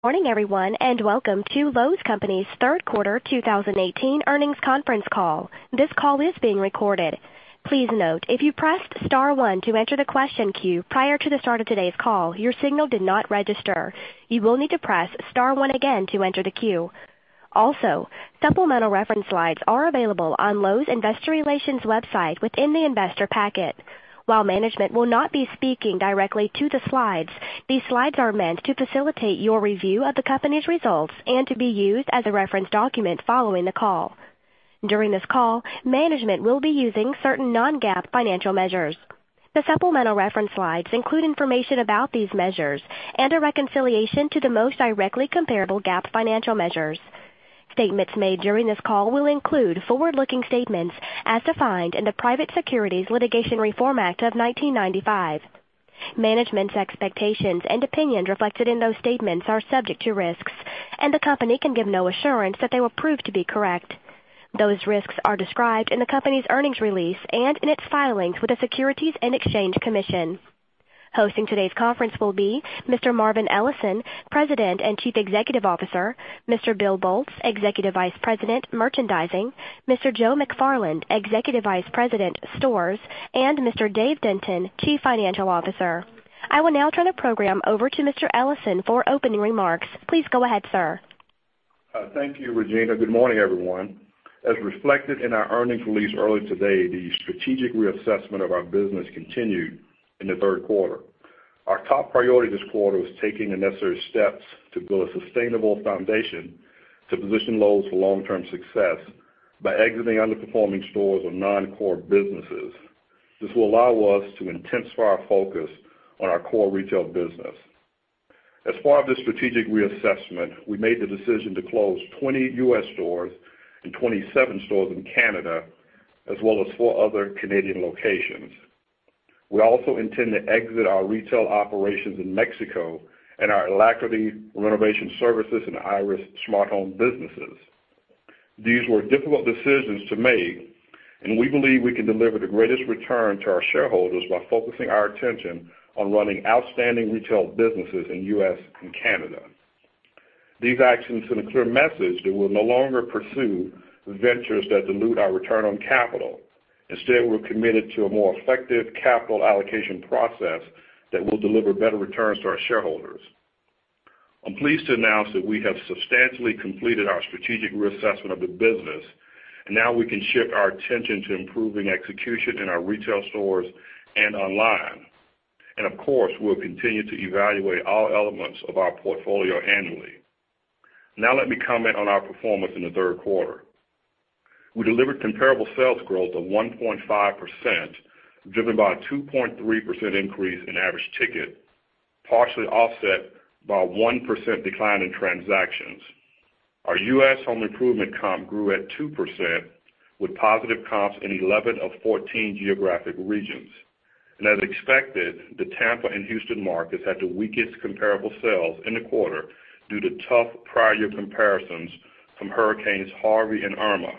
Good morning, everyone, and welcome to Lowe's Companies third quarter 2018 earnings conference call. This call is being recorded. Please note, if you pressed star one to enter the question queue prior to the start of today's call, your signal did not register. You will need to press star one again to enter the queue. Also, supplemental reference slides are available on Lowe's Investor Relations website within the investor packet. While management will not be speaking directly to the slides, these slides are meant to facilitate your review of the company's results and to be used as a reference document following the call. During this call, management will be using certain Non-GAAP financial measures. The supplemental reference slides include information about these measures and a reconciliation to the most directly comparable GAAP financial measures. Statements made during this call will include forward-looking statements as defined in the Private Securities Litigation Reform Act of 1995. Management's expectations and opinions reflected in those statements are subject to risks, the company can give no assurance that they will prove to be correct. Those risks are described in the company's earnings release and in its filings with the Securities and Exchange Commission. Hosting today's conference will be Mr. Marvin Ellison, President and Chief Executive Officer, Mr. Bill Boltz, Executive Vice President, Merchandising, Mr. Joe McFarland, Executive Vice President, Stores, and Mr. Dave Denton, Chief Financial Officer. I will now turn the program over to Mr. Ellison for opening remarks. Please go ahead, sir. Thank you, Regina. Good morning, everyone. As reflected in our earnings release earlier today, the strategic reassessment of our business continued in the third quarter. Our top priority this quarter was taking the necessary steps to build a sustainable foundation to position Lowe's for long-term success by exiting underperforming stores or non-core businesses. This will allow us to intensify our focus on our core retail business. As part of the strategic reassessment, we made the decision to close 20 U.S. stores and 27 stores in Canada, as well as four other Canadian locations. We also intend to exit our retail operations in Mexico and our Alacrity Renovation Services and Iris Smart Home businesses. These were difficult decisions to make, we believe we can deliver the greatest return to our shareholders by focusing our attention on running outstanding retail businesses in U.S. and Canada. These actions send a clear message that we'll no longer pursue ventures that dilute our return on capital. Instead, we're committed to a more effective capital allocation process that will deliver better returns to our shareholders. I'm pleased to announce that we have substantially completed our strategic reassessment of the business, now we can shift our attention to improving execution in our retail stores and online. Of course, we'll continue to evaluate all elements of our portfolio annually. Now let me comment on our performance in the third quarter. We delivered comparable sales growth of 1.5%, driven by a 2.3% increase in average ticket, partially offset by a 1% decline in transactions. Our U.S. home improvement comp grew at 2% with positive comps in 11 of 14 geographic regions. As expected, the Tampa and Houston markets had the weakest comparable sales in the quarter due to tough prior year comparisons from Hurricane Harvey and Hurricane Irma.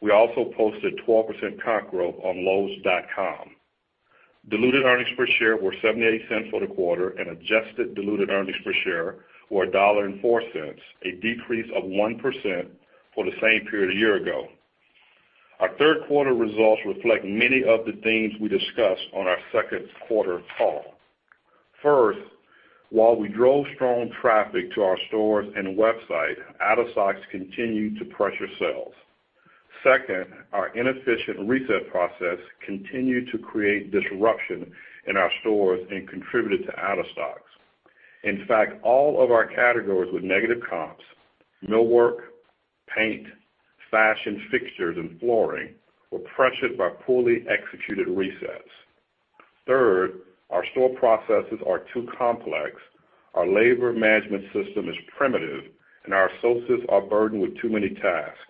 We also posted 12% comp growth on lowes.com. Diluted earnings per share were $0.78 for the quarter and adjusted diluted earnings per share were $1.04, a decrease of 1% for the same period a year ago. Our third quarter results reflect many of the themes we discussed on our second quarter call. First, while we drove strong traffic to our stores and website, out-of-stocks continued to pressure sales. Second, our inefficient reset process continued to create disruption in our stores and contributed to out-of-stocks. In fact, all of our categories with negative comps, millwork, paint, fashion fixtures, and flooring, were pressured by poorly executed resets. Third, our store processes are too complex, our labor management system is primitive, and our associates are burdened with too many tasks.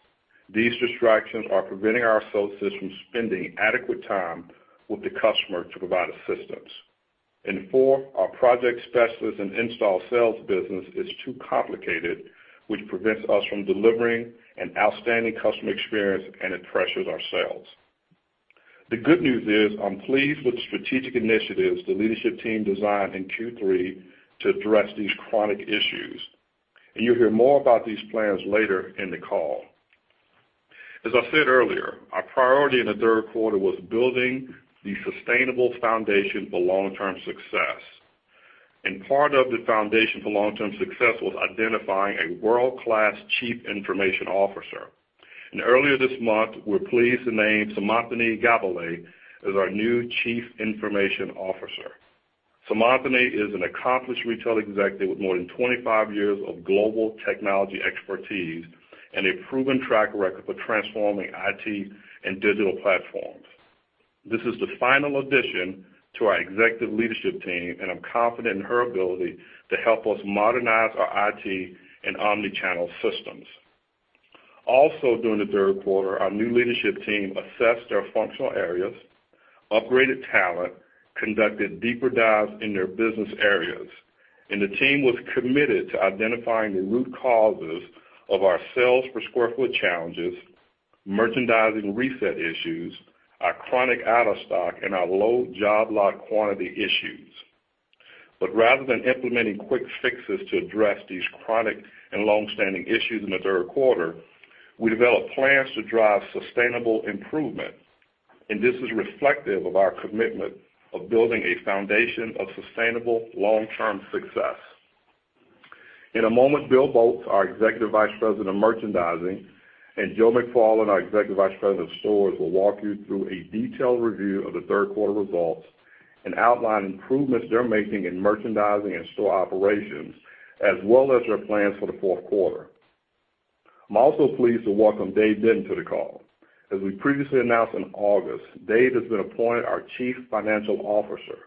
These distractions are preventing our associates from spending adequate time with the customer to provide assistance. Fourth, our project specialist and install sales business is too complicated, which prevents us from delivering an outstanding customer experience and it pressures our sales. The good news is I'm pleased with the strategic initiatives the leadership team designed in Q3 to address these chronic issues. You'll hear more about these plans later in the call. As I said earlier, our priority in the third quarter was building the sustainable foundation for long-term success. Part of the foundation for long-term success was identifying a world-class Chief Information Officer. Earlier this month, we're pleased to name Seemantini Godbole as our new Chief Information Officer. Seemantini is an accomplished retail executive with more than 25 years of global technology expertise and a proven track record for transforming IT and omni-channel systems. This is the final addition to our executive leadership team, and I'm confident in her ability to help us modernize our IT and omni-channel systems. Also during the third quarter, our new leadership team assessed their functional areas, upgraded talent, conducted deeper dives in their business areas, and the team was committed to identifying the root causes of our sales per square foot challenges. Merchandising reset issues are chronic out-of-stock and our low job lot quantity issues. Rather than implementing quick fixes to address these chronic and longstanding issues in the third quarter, we developed plans to drive sustainable improvement, and this is reflective of our commitment of building a foundation of sustainable long-term success. In a moment, Bill Boltz, our Executive Vice President, Merchandising, and Joe McFarland, our Executive Vice President, Stores, will walk you through a detailed review of the third quarter results and outline improvements they're making in merchandising and store operations, as well as their plans for the fourth quarter. I'm also pleased to welcome Dave Denton to the call. As we previously announced in August, Dave has been appointed our Chief Financial Officer.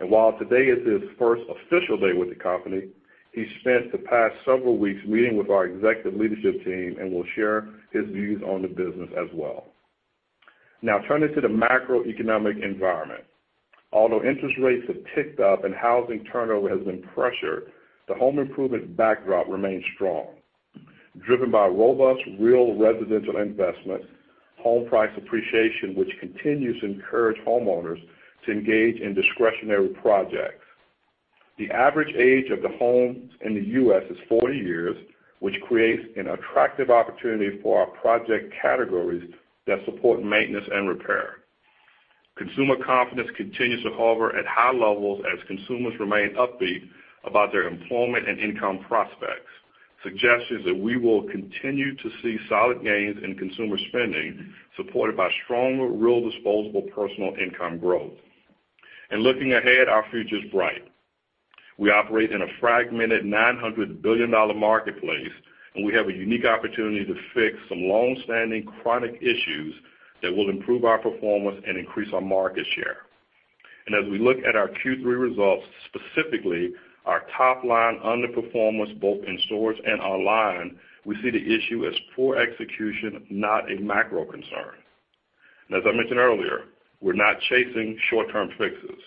While today is his first official day with the company, he spent the past several weeks meeting with our executive leadership team and will share his views on the business as well. Now turning to the macroeconomic environment. Although interest rates have ticked up and housing turnover has been pressured, the home improvement backdrop remains strong, driven by robust real residential investment, home price appreciation, which continues to encourage homeowners to engage in discretionary projects. The average age of the homes in the U.S. is 40 years, which creates an attractive opportunity for our project categories that support maintenance and repair. Consumer confidence continues to hover at high levels as consumers remain upbeat about their employment and income prospects. Suggestions that we will continue to see solid gains in consumer spending, supported by strong real disposable personal income growth. Looking ahead, our future's bright. We operate in a fragmented $900 billion marketplace, and we have a unique opportunity to fix some longstanding chronic issues that will improve our performance and increase our market share. As we look at our Q3 results, specifically our top line underperformance both in stores and online, we see the issue as poor execution, not a macro concern. As I mentioned earlier, we're not chasing short-term fixes,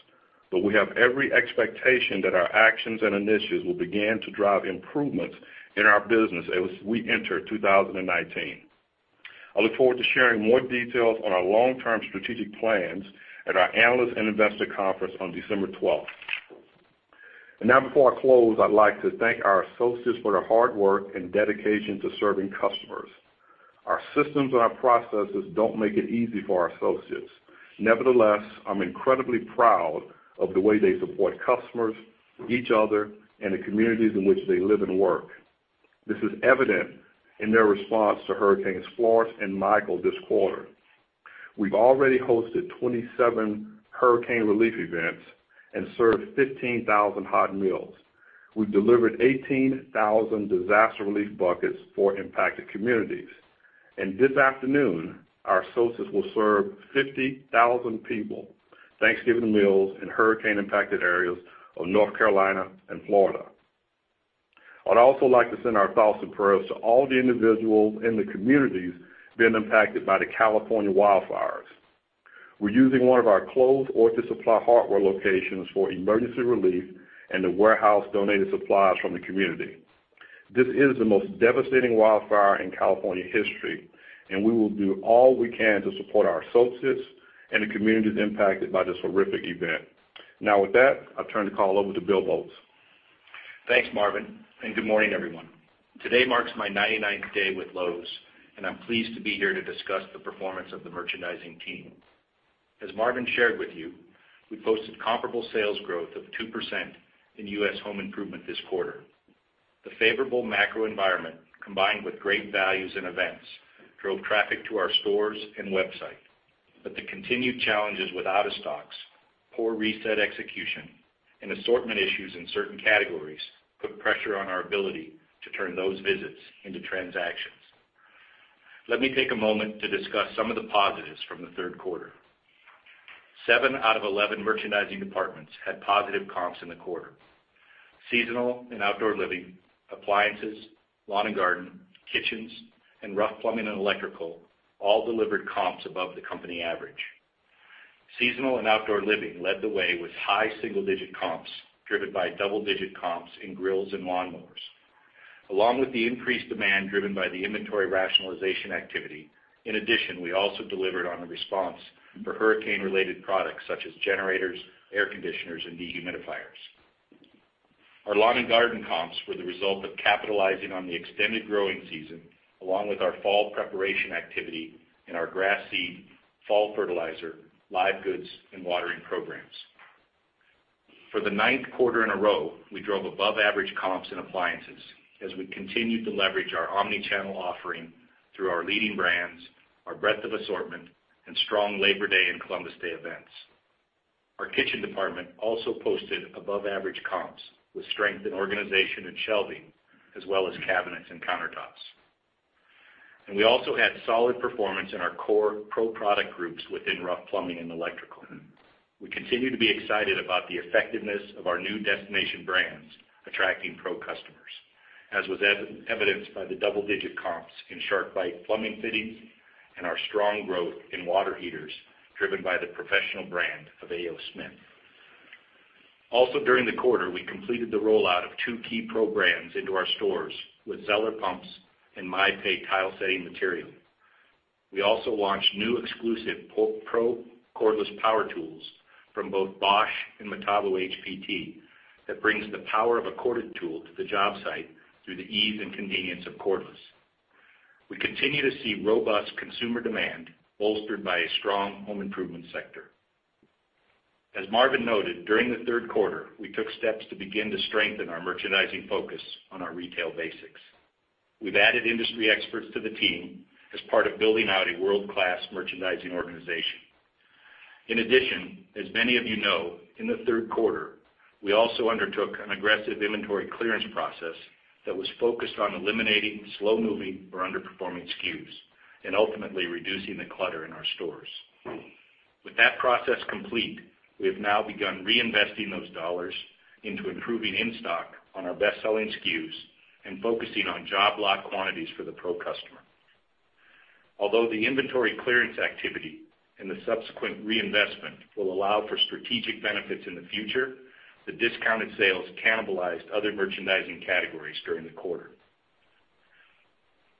but we have every expectation that our actions and initiatives will begin to drive improvements in our business as we enter 2019. I look forward to sharing more details on our long-term strategic plans at our Analyst and Investor Conference on December 12th. Now before I close, I'd like to thank our associates for their hard work and dedication to serving customers. Our systems and our processes don't make it easy for our associates. Nevertheless, I'm incredibly proud of the way they support customers, each other, and the communities in which they live and work. This is evident in their response to Hurricane Florence and Hurricane Michael this quarter. We've already hosted 27 hurricane relief events and served 15,000 hot meals. We've delivered 18,000 disaster relief buckets for impacted communities. This afternoon, our associates will serve 50,000 people Thanksgiving meals in hurricane-impacted areas of North Carolina and Florida. I'd also like to send our thoughts and prayers to all the individuals in the communities being impacted by the California wildfires. We're using one of our closed Orchard Supply Hardware locations for emergency relief and to warehouse donated supplies from the community. This is the most devastating wildfire in California history, and we will do all we can to support our associates and the communities impacted by this horrific event. Now with that, I'll turn the call over to Bill Boltz. Thanks, Marvin, and good morning, everyone. Today marks my 99th day with Lowe's, and I'm pleased to be here to discuss the performance of the merchandising team. As Marvin shared with you, we posted comparable sales growth of 2% in U.S. home improvement this quarter. The favorable macro environment, combined with great values and events, drove traffic to our stores and website. The continued challenges with out of stocks, poor reset execution, and assortment issues in certain categories put pressure on our ability to turn those visits into transactions. Let me take a moment to discuss some of the positives from the third quarter. Seven out of 11 merchandising departments had positive comps in the quarter. Seasonal and outdoor living, appliances, lawn and garden, kitchens, and rough plumbing and electrical all delivered comps above the company average. Seasonal and outdoor living led the way with high single-digit comps, driven by double-digit comps in grills and lawnmowers. Along with the increased demand driven by the inventory rationalization activity, in addition, we also delivered on a response for hurricane-related products such as generators, air conditioners, and dehumidifiers. Our lawn and garden comps were the result of capitalizing on the extended growing season, along with our fall preparation activity in our grass seed, fall fertilizer, live goods, and watering programs. For the ninth quarter in a row, we drove above-average comps in appliances as we continued to leverage our omni-channel offering through our leading brands, our breadth of assortment, and strong Labor Day and Columbus Day events. Our kitchen department also posted above-average comps with strength in organization and shelving, as well as cabinets and countertops. We also had solid performance in our core pro product groups within rough plumbing and electrical. We continue to be excited about the effectiveness of our new destination brands attracting pro customers, as was evidenced by the double-digit comps in SharkBite plumbing fittings and our strong growth in water heaters, driven by the professional brand of A. O. Smith. Also during the quarter, we completed the rollout of two key programs into our stores with Zoeller Pumps and MAPEI tile setting material. We also launched new exclusive Pro cordless power tools from both Bosch and Metabo HPT, that brings the power of a corded tool to the job site through the ease and convenience of cordless. We continue to see robust consumer demand bolstered by a strong home improvement sector. As Marvin noted, during the third quarter, we took steps to begin to strengthen our merchandising focus on our retail basics. We've added industry experts to the team as part of building out a world-class merchandising organization. In addition, as many of you know, in the third quarter, we also undertook an aggressive inventory clearance process that was focused on eliminating slow-moving or underperforming SKUs, and ultimately reducing the clutter in our stores. With that process complete, we have now begun reinvesting those dollars into improving in-stock on our best-selling SKUs and focusing on job lot quantities for the pro customer. Although the inventory clearance activity and the subsequent reinvestment will allow for strategic benefits in the future, the discounted sales cannibalized other merchandising categories during the quarter.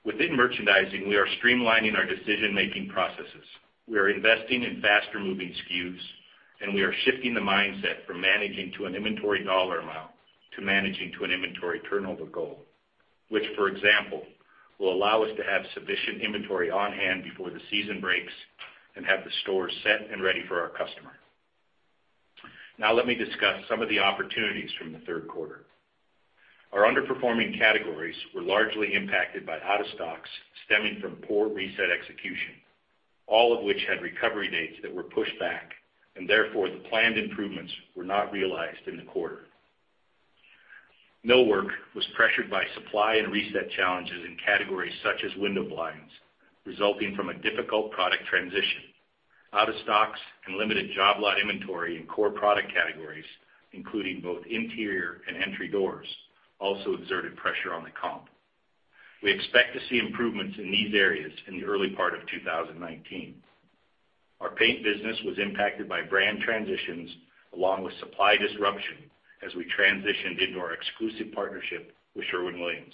Within merchandising, we are streamlining our decision-making processes. We are investing in faster-moving SKUs, and we are shifting the mindset from managing to an inventory dollar amount to managing to an inventory turnover goal, which, for example, will allow us to have sufficient inventory on hand before the season breaks and have the stores set and ready for our customer. Now let me discuss some of the opportunities from the third quarter. Our underperforming categories were largely impacted by out-of-stocks stemming from poor reset execution, all of which had recovery dates that were pushed back, and therefore the planned improvements were not realized in the quarter. Millwork was pressured by supply and reset challenges in categories such as window blinds, resulting from a difficult product transition. Out of stocks and limited job lot inventory in core product categories, including both interior and entry doors, also exerted pressure on the comp. We expect to see improvements in these areas in the early part of 2019. Our paint business was impacted by brand transitions along with supply disruption as we transitioned into our exclusive partnership with The Sherwin-Williams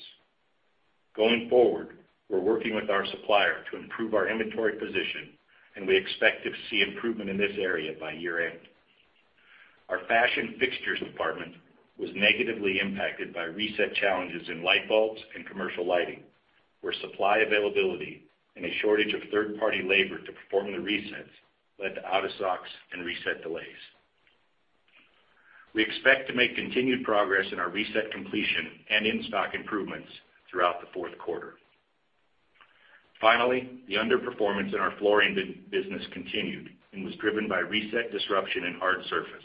Company. Going forward, we're working with our supplier to improve our inventory position, and we expect to see improvement in this area by year-end. Our fashion fixtures department was negatively impacted by reset challenges in light bulbs and commercial lighting, where supply availability and a shortage of third-party labor to perform the resets led to out-of-stocks and reset delays. We expect to make continued progress in our reset completion and in-stock improvements throughout the fourth quarter. The underperformance in our flooring business continued and was driven by reset disruption in hard surface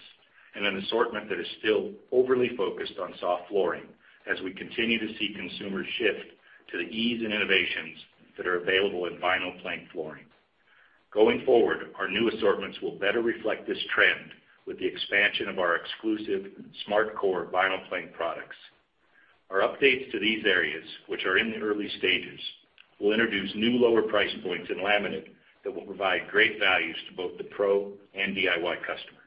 and an assortment that is still overly focused on soft flooring as we continue to see consumers shift to the ease and innovations that are available in vinyl plank flooring. Going forward, our new assortments will better reflect this trend with the expansion of our exclusive SMARTCORE vinyl plank products. Our updates to these areas, which are in the early stages, will introduce new lower price points in laminate that will provide great values to both the pro and DIY customer.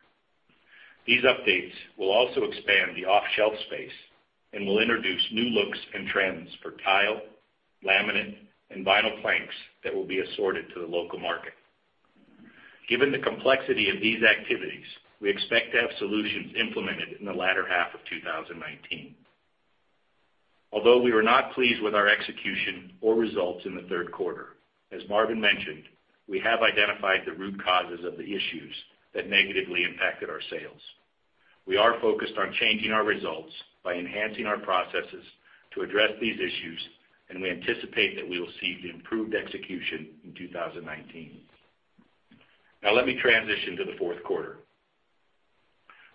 These updates will also expand the off-shelf space and will introduce new looks and trends for tile, laminate, and vinyl planks that will be assorted to the local market. Given the complexity of these activities, we expect to have solutions implemented in the latter half of 2019. Although we were not pleased with our execution or results in the third quarter, as Marvin mentioned, we have identified the root causes of the issues that negatively impacted our sales. We are focused on changing our results by enhancing our processes to address these issues, and we anticipate that we will see the improved execution in 2019. Let me transition to the fourth quarter.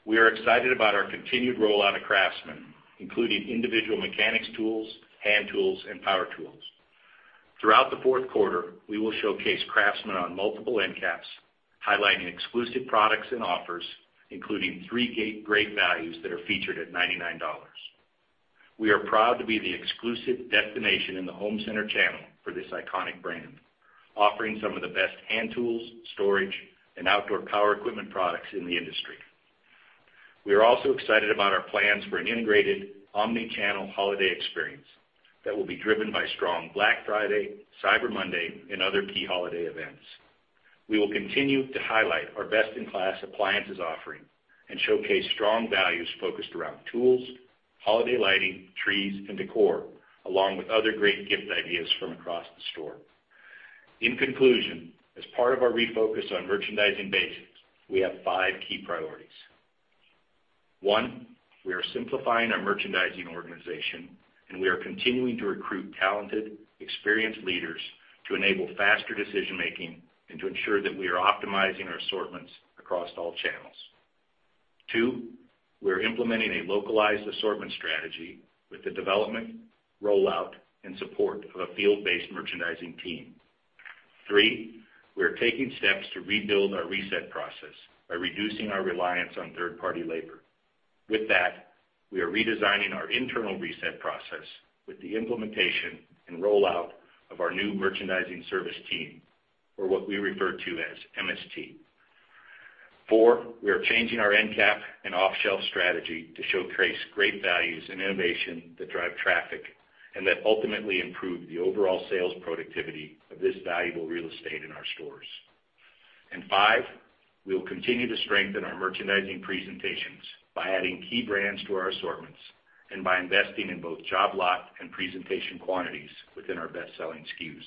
We are excited about our continued rollout of Craftsman, including individual mechanics tools, hand tools, and power tools. Throughout the fourth quarter, we will showcase Craftsman on multiple end caps, highlighting exclusive products and offers, including three great values that are featured at $99. We are proud to be the exclusive destination in the home center channel for this iconic brand, offering some of the best hand tools, storage, and outdoor power equipment products in the industry. We are also excited about our plans for an integrated omni-channel holiday experience that will be driven by strong Black Friday, Cyber Monday, and other key holiday events. We will continue to highlight our best-in-class appliances offering and showcase strong values focused around tools, holiday lighting, trees, and decor, along with other great gift ideas from across the store. As part of our refocus on merchandising basics, we have five key priorities. One, we are simplifying our merchandising organization, and we are continuing to recruit talented, experienced leaders to enable faster decision-making and to ensure that we are optimizing our assortments across all channels. Two, we are implementing a localized assortment strategy with the development, rollout, and support of a field-based merchandising team. Three, we are taking steps to rebuild our reset process by reducing our reliance on third-party labor. With that, we are redesigning our internal reset process with the implementation and rollout of our new merchandising service team or what we refer to as MST. We are changing our endcap and off-shelf strategy to showcase great values and innovation that drive traffic and that ultimately improve the overall sales productivity of this valuable real estate in our stores. We will continue to strengthen our merchandising presentations by adding key brands to our assortments and by investing in both job lot and presentation quantities within our best-selling SKUs.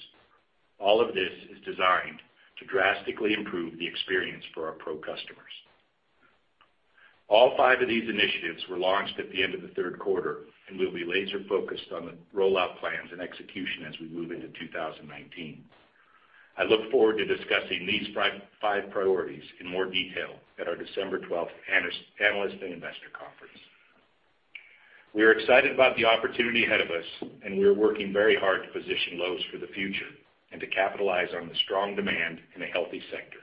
All of this is designed to drastically improve the experience for our pro customers. All five of these initiatives were launched at the end of the third quarter. We will be laser-focused on the rollout plans and execution as we move into 2019. I look forward to discussing these five priorities in more detail at our December 12th Analyst and Investor Conference. We are excited about the opportunity ahead of us, and we are working very hard to position Lowe's for the future and to capitalize on the strong demand in a healthy sector.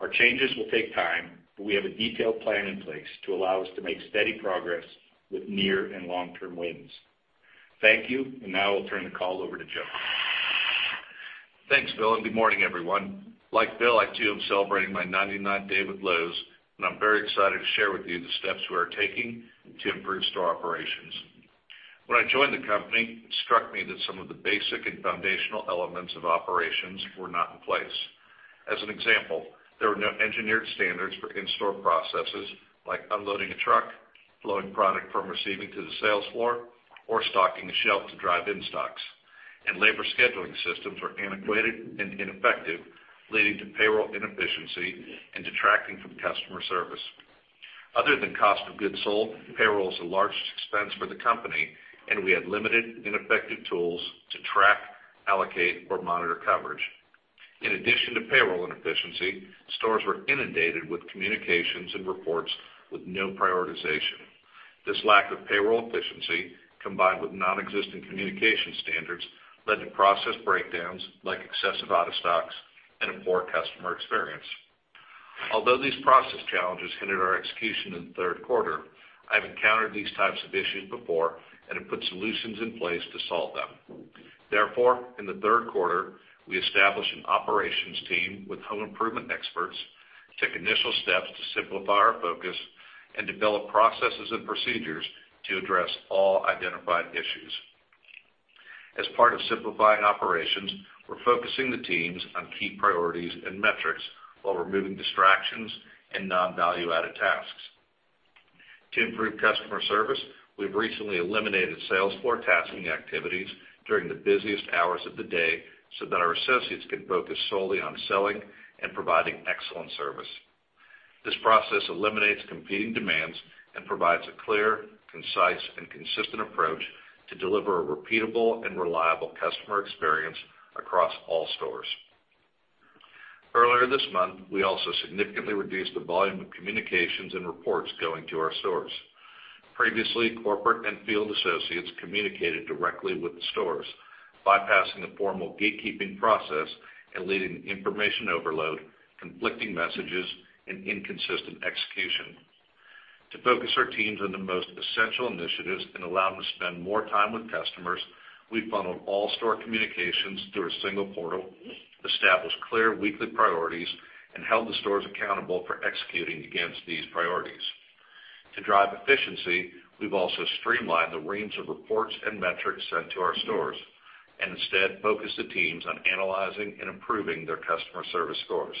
Our changes will take time, but we have a detailed plan in place to allow us to make steady progress with near and long-term wins. Thank you. Now I will turn the call over to Joe. Thanks, Bill. Good morning, everyone. Like Bill, I too am celebrating my 99th day with Lowe's. I am very excited to share with you the steps we are taking to improve store operations. When I joined the company, it struck me that some of the basic and foundational elements of operations were not in place. As an example, there were no engineered standards for in-store processes like unloading a truck, flowing product from receiving to the sales floor, or stocking a shelf to drive in-stocks. Labor scheduling systems were antiquated and ineffective, leading to payroll inefficiency and detracting from customer service. Other than cost of goods sold, payroll is the largest expense for the company. We had limited ineffective tools to track, allocate, or monitor coverage. In addition to payroll inefficiency, stores were inundated with communications and reports with no prioritization. This lack of payroll efficiency, combined with nonexistent communication standards, led to process breakdowns like excessive out-of-stocks and a poor customer experience. Although these process challenges hindered our execution in the third quarter, I have encountered these types of issues before and have put solutions in place to solve them. Therefore, in the third quarter, we established an operations team with home improvement experts, took initial steps to simplify our focus, and developed processes and procedures to address all identified issues. As part of simplifying operations, we are focusing the teams on key priorities and metrics while removing distractions and non-value-added tasks. To improve customer service, we have recently eliminated sales floor tasking activities during the busiest hours of the day so that our associates can focus solely on selling and providing excellent service. This process eliminates competing demands and provides a clear, concise, and consistent approach to deliver a repeatable and reliable customer experience across all stores. Earlier this month, we also significantly reduced the volume of communications and reports going to our stores. Previously, corporate and field associates communicated directly with the stores, bypassing the formal gatekeeping process and leading to information overload, conflicting messages, and inconsistent execution. To focus our teams on the most essential initiatives and allow them to spend more time with customers, we funneled all store communications through a single portal, established clear weekly priorities, and held the stores accountable for executing against these priorities. To drive efficiency, we've also streamlined the reams of reports and metrics sent to our stores and instead focused the teams on analyzing and improving their customer service scores.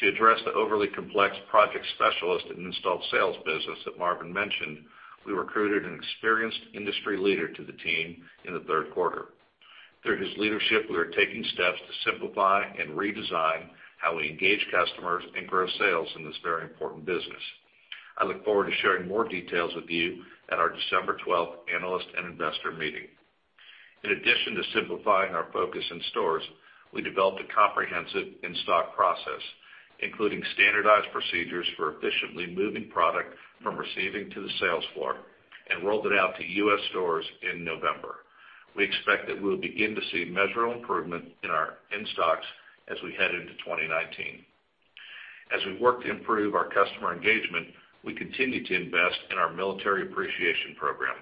To address the overly complex project specialist and installed sales business that Marvin mentioned, we recruited an experienced industry leader to the team in the third quarter. Through his leadership, we are taking steps to simplify and redesign how we engage customers and grow sales in this very important business. I look forward to sharing more details with you at our December 12th Analyst and Investor Meeting. In addition to simplifying our focus in stores, we developed a comprehensive in-stock process, including standardized procedures for efficiently moving product from receiving to the sales floor, and rolled it out to U.S. stores in November. We expect that we'll begin to see measurable improvement in our in-stocks as we head into 2019. As we work to improve our customer engagement, we continue to invest in our military appreciation program.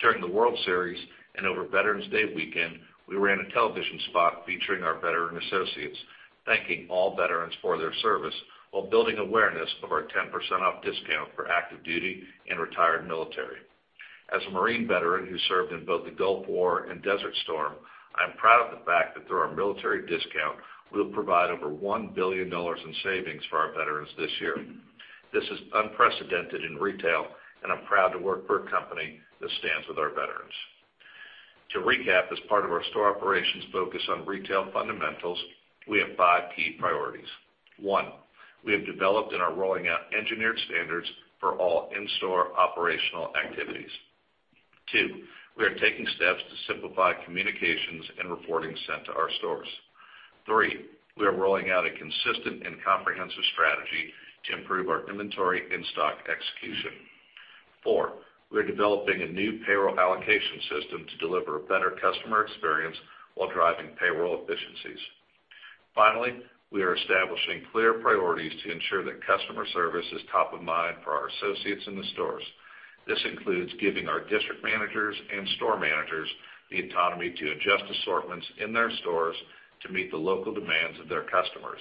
During the World Series and over Veterans Day weekend, we ran a television spot featuring our veteran associates, thanking all veterans for their service while building awareness of our 10% off discount for active duty and retired military. As a Marine veteran who served in both the Gulf War and Desert Storm, I'm proud of the fact that through our military discount, we'll provide over $1 billion in savings for our veterans this year. This is unprecedented in retail, and I'm proud to work for a company that stands with our veterans. To recap, as part of our store operations focus on retail fundamentals, we have five key priorities. One, we have developed and are rolling out engineered standards for all in-store operational activities. Two, we are taking steps to simplify communications and reporting sent to our stores. Three, we are rolling out a consistent and comprehensive strategy to improve our inventory in-stock execution. Four, we are developing a new payroll allocation system to deliver a better customer experience while driving payroll efficiencies. Finally, we are establishing clear priorities to ensure that customer service is top of mind for our associates in the stores. This includes giving our district managers and store managers the autonomy to adjust assortments in their stores to meet the local demands of their customers.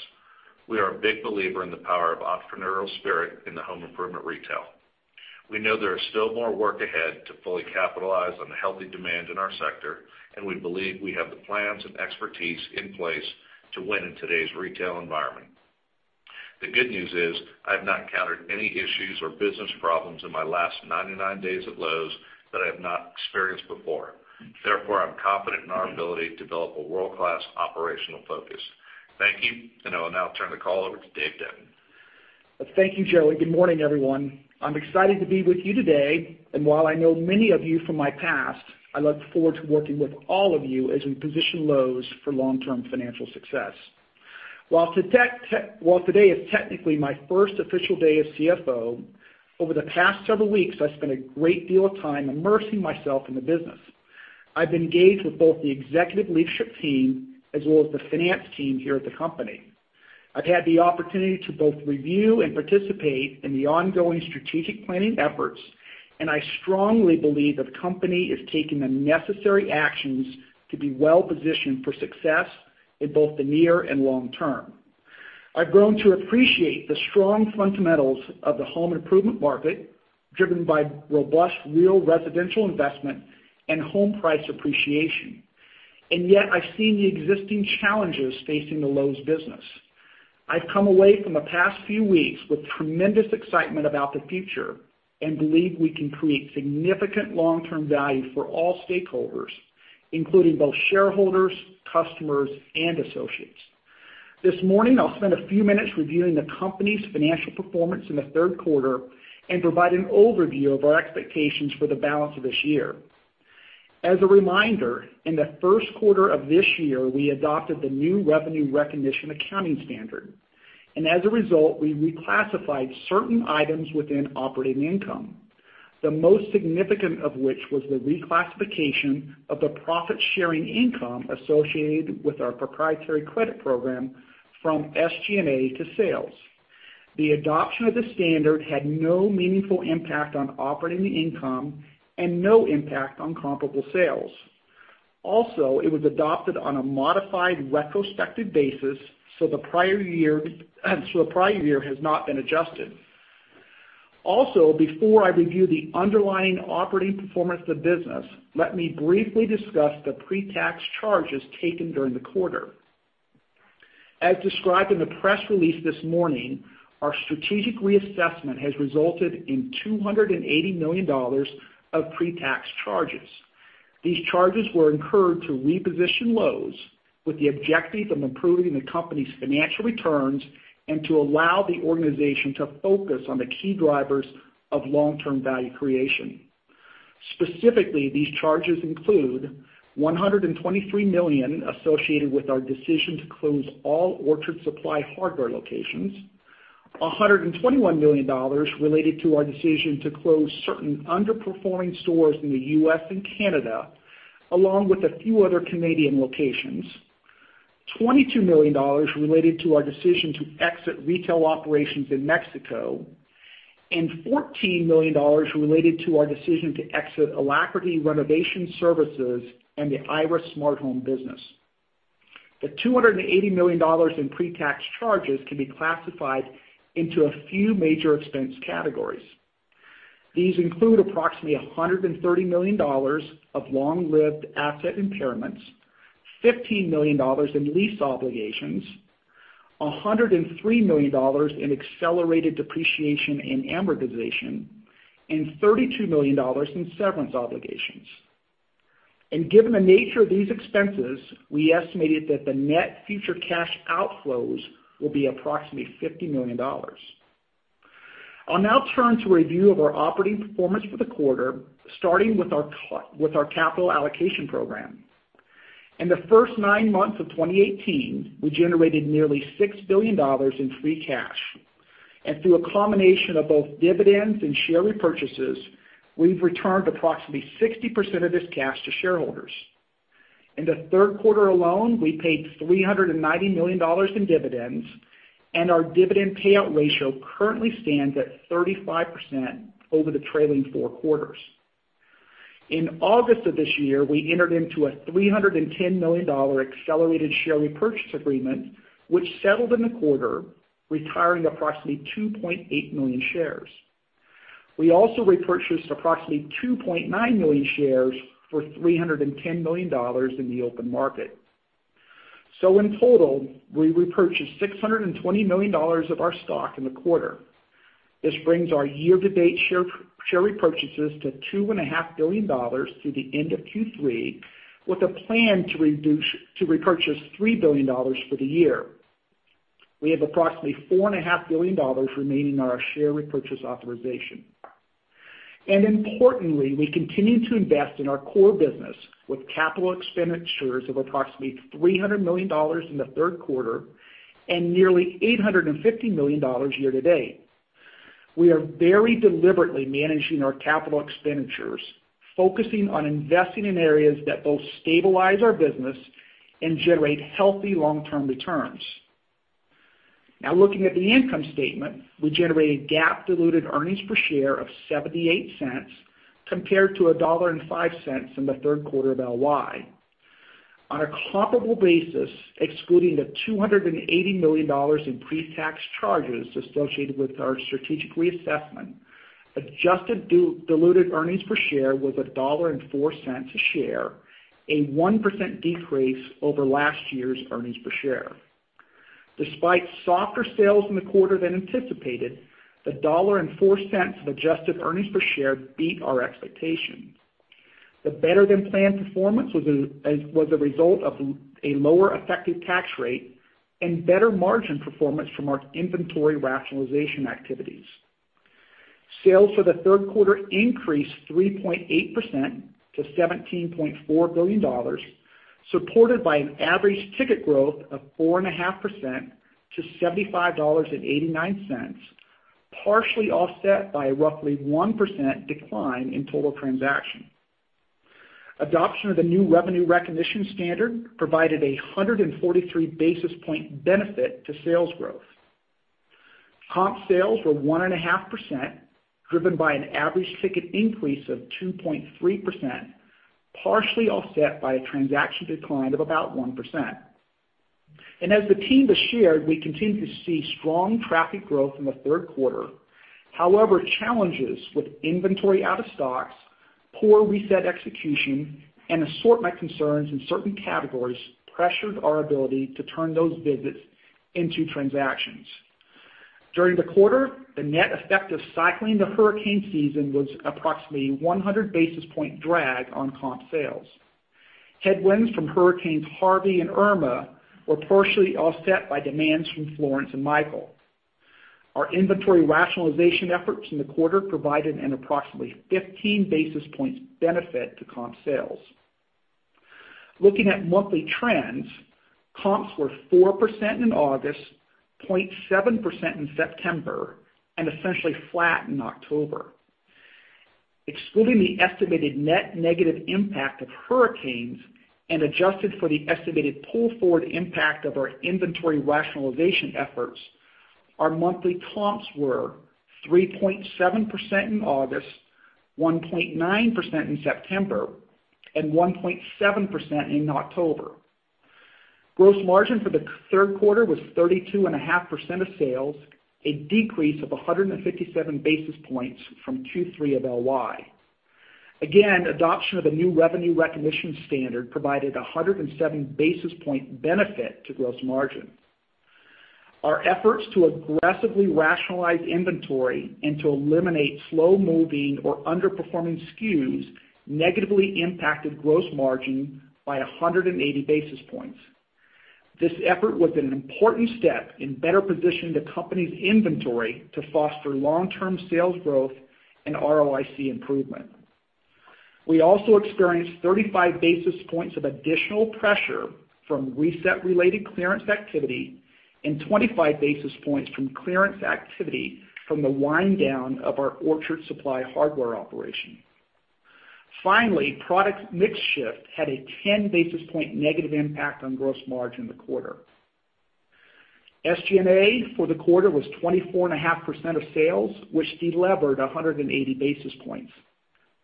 We are a big believer in the power of entrepreneurial spirit in the home improvement retail. We know there is still more work ahead to fully capitalize on the healthy demand in our sector, and we believe we have the plans and expertise in place to win in today's retail environment. The good news is, I've not encountered any issues or business problems in my last 99 days at Lowe's that I have not experienced before. Therefore, I'm confident in our ability to develop a world-class operational focus. Thank you, and I will now turn the call over to Dave Denton. Thank you, Joey. Good morning, everyone. While I know many of you from my past, I look forward to working with all of you as we position Lowe's for long-term financial success. While today is technically my first official day as CFO, over the past several weeks, I've spent a great deal of time immersing myself in the business. I've engaged with both the executive leadership team as well as the finance team here at the company. I've had the opportunity to both review and participate in the ongoing strategic planning efforts. I strongly believe the company is taking the necessary actions to be well-positioned for success in both the near and long term. I've grown to appreciate the strong fundamentals of the home improvement market, driven by robust real residential investment and home price appreciation. Yet I've seen the existing challenges facing the Lowe's business. I've come away from the past few weeks with tremendous excitement about the future and believe we can create significant long-term value for all stakeholders, including both shareholders, customers, and associates. This morning, I'll spend a few minutes reviewing the company's financial performance in the third quarter and provide an overview of our expectations for the balance of this year. As a reminder, in the first quarter of this year, we adopted the new revenue recognition accounting standard, and as a result, we reclassified certain items within operating income. The most significant of which was the reclassification of the profit-sharing income associated with our proprietary credit program from SG&A to sales. The adoption of the standard had no meaningful impact on operating income and no impact on comparable sales. Also, it was adopted on a modified retrospective basis, the prior year has not been adjusted. Also, before I review the underlying operating performance of the business, let me briefly discuss the pre-tax charges taken during the quarter. As described in the press release this morning, our strategic reassessment has resulted in $280 million of pre-tax charges. These charges were incurred to reposition Lowe's with the objective of improving the company's financial returns and to allow the organization to focus on the key drivers of long-term value creation. Specifically, these charges include $123 million associated with our decision to close all Orchard Supply Hardware locations, $121 million related to our decision to close certain underperforming stores in the U.S. and Canada, along with a few other Canadian locations, $22 million related to our decision to exit retail operations in Mexico, and $14 million related to our decision to exit Alacrity Renovation services and the Iris smart home business. The $280 million in pre-tax charges can be classified into a few major expense categories. These include approximately $130 million of long-lived asset impairments, $15 million in lease obligations, $103 million in accelerated depreciation and amortization, and $32 million in severance obligations. Given the nature of these expenses, we estimated that the net future cash outflows will be approximately $50 million. I'll now turn to a review of our operating performance for the quarter, starting with our capital allocation program. In the first nine months of 2018, we generated nearly $6 billion in free cash. Through a combination of both dividends and share repurchases, we've returned approximately 60% of this cash to shareholders. In the third quarter alone, we paid $390 million in dividends, and our dividend payout ratio currently stands at 35% over the trailing four quarters. In August of this year, we entered into a $310 million accelerated share repurchase agreement, which settled in the quarter, retiring approximately 2.8 million shares. We also repurchased approximately 2.9 million shares for $310 million in the open market. In total, we repurchased $620 million of our stock in the quarter. This brings our year-to-date share repurchases to $2.5 billion through the end of Q3, with a plan to repurchase $3 billion for the year. We have approximately $4.5 billion remaining on our share repurchase authorization. Importantly, we continue to invest in our core business with capital expenditures of approximately $300 million in the third quarter and nearly $850 million year-to-date. We are very deliberately managing our capital expenditures, focusing on investing in areas that both stabilize our business and generate healthy long-term returns. Now looking at the income statement, we generated GAAP diluted earnings per share of $0.78 compared to $1.05 in the third quarter of LY. On a comparable basis, excluding the $280 million in pre-tax charges associated with our strategic reassessment, adjusted diluted earnings per share was $1.04 a share, a 1% decrease over last year's earnings per share. Despite softer sales in the quarter than anticipated, the $1.04 of adjusted earnings per share beat our expectations. The better-than-planned performance was a result of a lower effective tax rate and better margin performance from our inventory rationalization activities. Sales for the third quarter increased 3.8% to $17.4 billion, supported by an average ticket growth of 4.5% to $75.89, partially offset by a roughly 1% decline in total transactions. Adoption of the new revenue recognition standard provided a 143 basis point benefit to sales growth. Comp sales were 1.5%, driven by an average ticket increase of 2.3%, partially offset by a transaction decline of about 1%. As the team has shared, we continue to see strong traffic growth in the third quarter. However, challenges with inventory out of stocks, poor reset execution, and assortment concerns in certain categories pressured our ability to turn those visits into transactions. During the quarter, the net effect of cycling the hurricane season was approximately 100 basis points drag on comp sales. Headwinds from Hurricane Harvey and Hurricane Irma were partially offset by demands from Hurricane Florence and Hurricane Michael. Our inventory rationalization efforts in the quarter provided an approximately 15 basis points benefit to comp sales. Looking at monthly trends, comps were 4% in August, 0.7% in September, and essentially flat in October. Excluding the estimated net negative impact of hurricanes and adjusted for the estimated pull-forward impact of our inventory rationalization efforts, our monthly comps were 3.7% in August, 1.9% in September, and 1.7% in October. Gross margin for the third quarter was 32.5% of sales, a decrease of 157 basis points from Q3 of LY. Again, adoption of the new revenue recognition standard provided 107 basis points benefit to gross margin. Our efforts to aggressively rationalize inventory and to eliminate slow-moving or underperforming SKUs negatively impacted gross margin by 180 basis points. This effort was an important step in better positioning the company's inventory to foster long-term sales growth and ROIC improvement. We also experienced 35 basis points of additional pressure from reset-related clearance activity and 25 basis points from clearance activity from the wind-down of our Orchard Supply Hardware operation. Finally, product mix shift had a 10 basis points negative impact on gross margin in the quarter. SG&A for the quarter was 24.5% of sales, which delevered 180 basis points.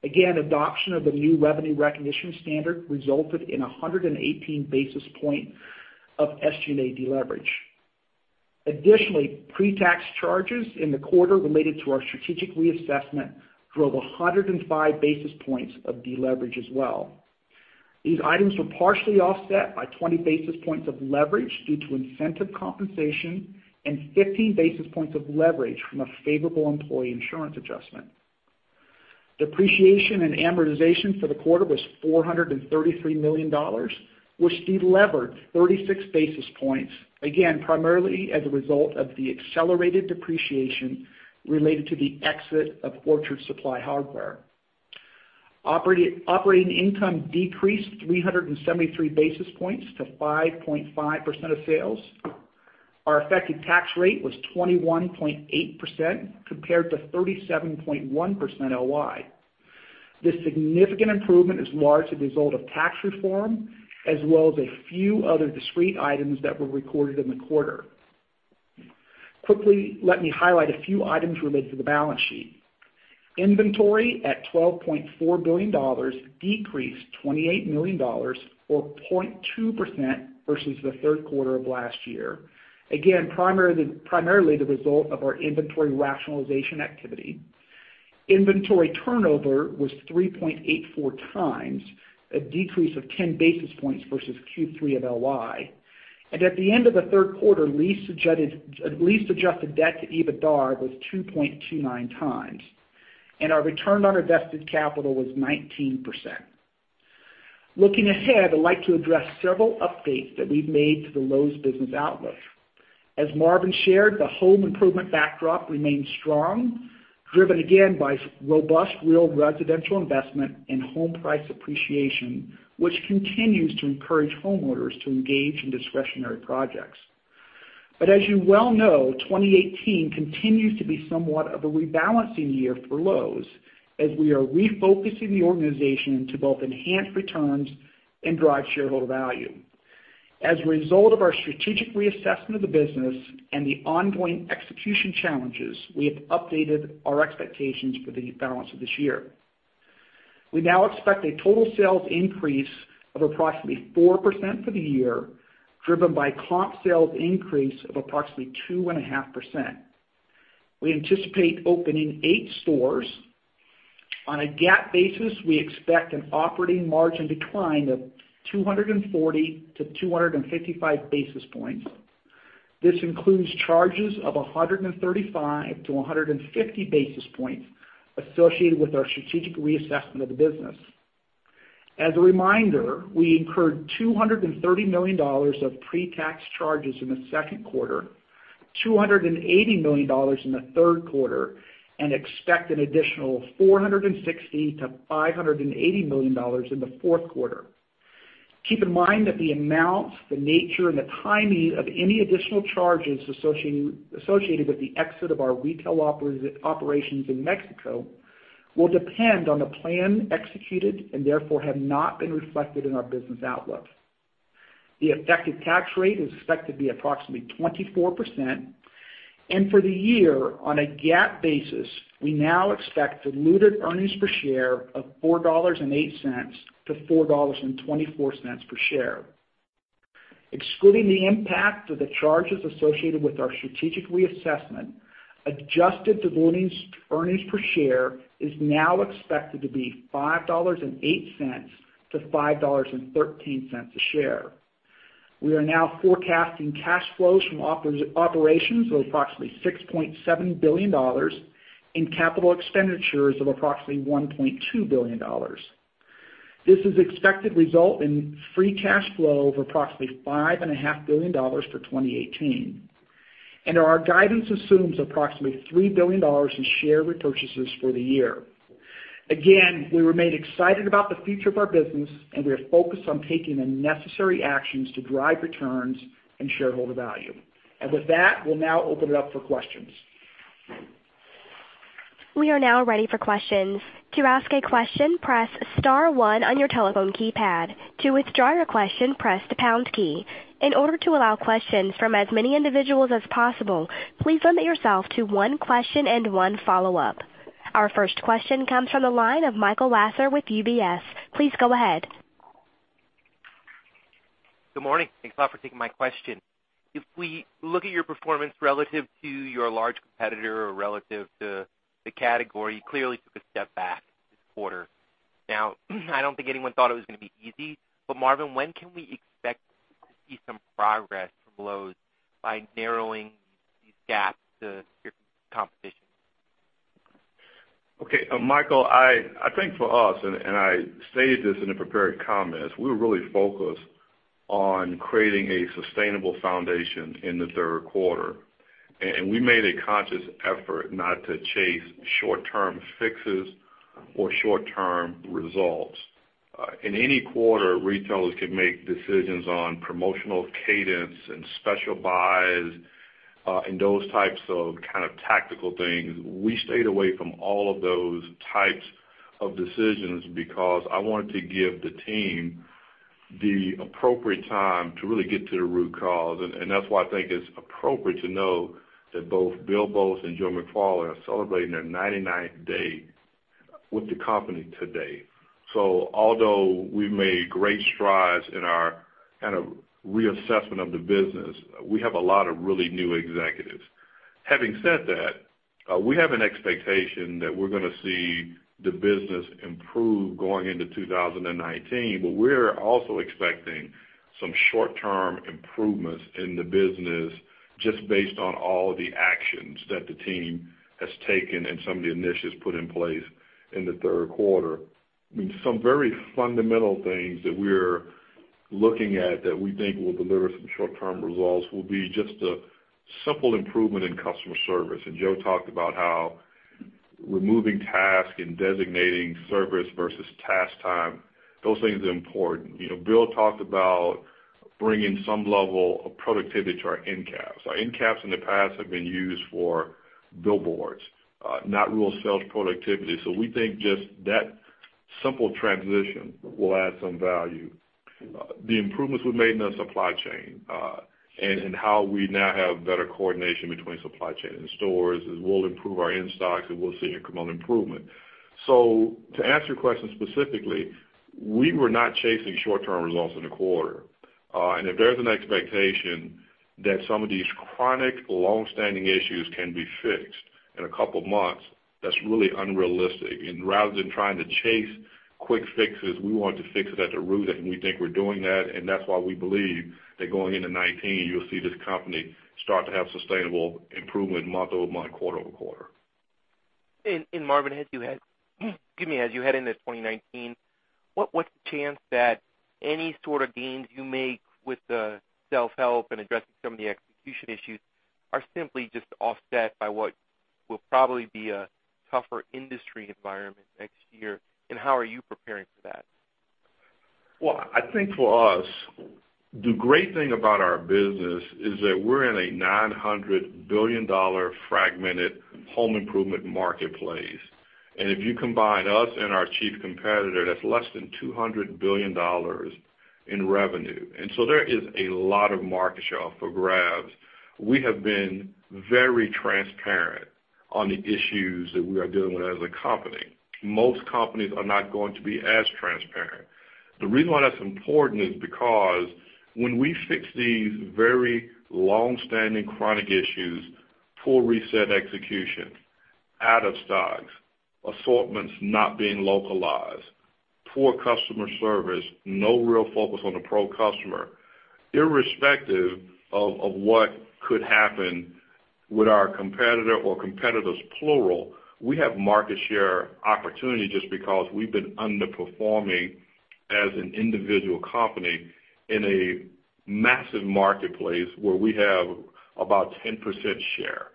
Again, adoption of the new revenue recognition standard resulted in 118 basis points of SG&A deleverage. Additionally, pre-tax charges in the quarter related to our strategic reassessment drove 105 basis points of deleverage as well. These items were partially offset by 20 basis points of leverage due to incentive compensation and 15 basis points of leverage from a favorable employee insurance adjustment. Depreciation and amortization for the quarter was $433 million, which delevered 36 basis points, again, primarily as a result of the accelerated depreciation related to the exit of Orchard Supply Hardware. Operating income decreased 373 basis points to 5.5% of sales. Our effective tax rate was 21.8% compared to 37.1% LY. This significant improvement is largely the result of tax reform as well as a few other discrete items that were recorded in the quarter. Quickly, let me highlight a few items related to the balance sheet. Inventory at $12.4 billion decreased $28 million, or 0.2%, versus the third quarter of last year. Again, primarily the result of our inventory rationalization activity. Inventory turnover was 3.84 times, a decrease of 10 basis points versus Q3 of LY. At the end of the third quarter, lease-adjusted debt to EBITDA was 2.29 times, and our return on invested capital was 19%. Looking ahead, I'd like to address several updates that we've made to the Lowe's business outlook. As Marvin shared, the home improvement backdrop remains strong, driven again by robust real residential investment and home price appreciation, which continues to encourage homeowners to engage in discretionary projects. As you well know, 2018 continues to be somewhat of a rebalancing year for Lowe's, as we are refocusing the organization to both enhance returns and drive shareholder value. As a result of our strategic reassessment of the business and the ongoing execution challenges, we have updated our expectations for the balance of this year. We now expect a total sales increase of approximately 4% for the year, driven by comp sales increase of approximately 2.5%. We anticipate opening eight stores. On a GAAP basis, we expect an operating margin decline of 240 basis points-255 basis points. This includes charges of 135 basis points-150 basis points associated with our strategic reassessment of the business. As a reminder, we incurred $230 million of pre-tax charges in the second quarter, $280 million in the third quarter, and expect an additional $460 million-$580 million in the fourth quarter. Keep in mind that the amount, the nature, and the timing of any additional charges associated with the exit of our retail operations in Mexico will depend on the plan executed and therefore have not been reflected in our business outlook. The effective tax rate is expected to be approximately 24%. For the year, on a GAAP basis, we now expect diluted earnings per share of $4.08-$4.24 per share. Excluding the impact of the charges associated with our strategic reassessment, adjusted to earnings per share is now expected to be $5.08-$5.13 a share. We are now forecasting cash flows from operations of approximately $6.7 billion and capital expenditures of approximately $1.2 billion. This is expected result in free cash flow of approximately $5.5 billion for 2018. Our guidance assumes approximately $3 billion in share repurchases for the year. Again, we remain excited about the future of our business and we are focused on taking the necessary actions to drive returns and shareholder value. With that, we'll now open it up for questions. We are now ready for questions. To ask a question, press star 1 on your telephone keypad. To withdraw your question, press the # key. In order to allow questions from as many individuals as possible, please limit yourself to one question and one follow-up. Our first question comes from the line of Michael Lasser with UBS. Please go ahead. Good morning. Thanks a lot for taking my question. If we look at your performance relative to your large competitor or relative to the category, you clearly took a step back this quarter. Now, I don't think anyone thought it was going to be easy, but Marvin, when can we expect to see some progress from Lowe's by narrowing these gaps to your competition? Okay. Michael Lasser, I think for us, I stated this in the prepared comments, we're really focused on creating a sustainable foundation in the third quarter. We made a conscious effort not to chase short-term fixes or short-term results. In any quarter, retailers can make decisions on promotional cadence and special buys, those types of tactical things. We stayed away from all of those types of decisions because I wanted to give the team the appropriate time to really get to the root cause. That's why I think it's appropriate to know that both Bill Boltz and Joe McFarland are celebrating their 99th day with the company today. Although we've made great strides in our reassessment of the business, we have a lot of really new executives. Having said that, we have an expectation that we're going to see the business improve going into 2019. We're also expecting some short-term improvements in the business just based on all the actions that the team has taken some of the initiatives put in place in the third quarter. Some very fundamental things that we're looking at that we think will deliver some short-term results will be just a simple improvement in customer service. Joe McFarland talked about how removing tasks and designating service versus task time, those things are important. Bill Boltz talked about bringing some level of productivity to our end caps. Our end caps in the past have been used for billboards, not real sales productivity. We think just that simple transition will add some value. The improvements we've made in the supply chain, how we now have better coordination between supply chain and stores, as we'll improve our in-stocks and we'll see incremental improvement. To answer your question specifically, we were not chasing short-term results in the quarter. If there's an expectation that some of these chronic longstanding issues can be fixed in a couple of months, that's really unrealistic. Rather than trying to chase quick fixes, we want to fix it at the root, we think we're doing that. That's why we believe that going into 2019, you'll see this company start to have sustainable improvement month-over-month, quarter-over-quarter. Marvin Ellison, as you head excuse me. As you head into 2019? What's the chance that any sort of gains you make with the self-help and addressing some of the execution issues are simply just offset by what will probably be a tougher industry environment next year? How are you preparing for that? I think for us, the great thing about our business is that we're in a $900 billion fragmented home improvement marketplace. If you combine us and our chief competitor, that's less than $200 billion in revenue. There is a lot of market share up for grabs. We have been very transparent on the issues that we are dealing with as a company. Most companies are not going to be as transparent. The reason why that's important is because when we fix these very long-standing chronic issues, poor reset execution, out-of-stocks, assortments not being localized, poor customer service, no real focus on the pro customer, irrespective of what could happen with our competitor or competitors, plural, we have market share opportunity just because we've been underperforming as an individual company in a massive marketplace where we have about 10% share.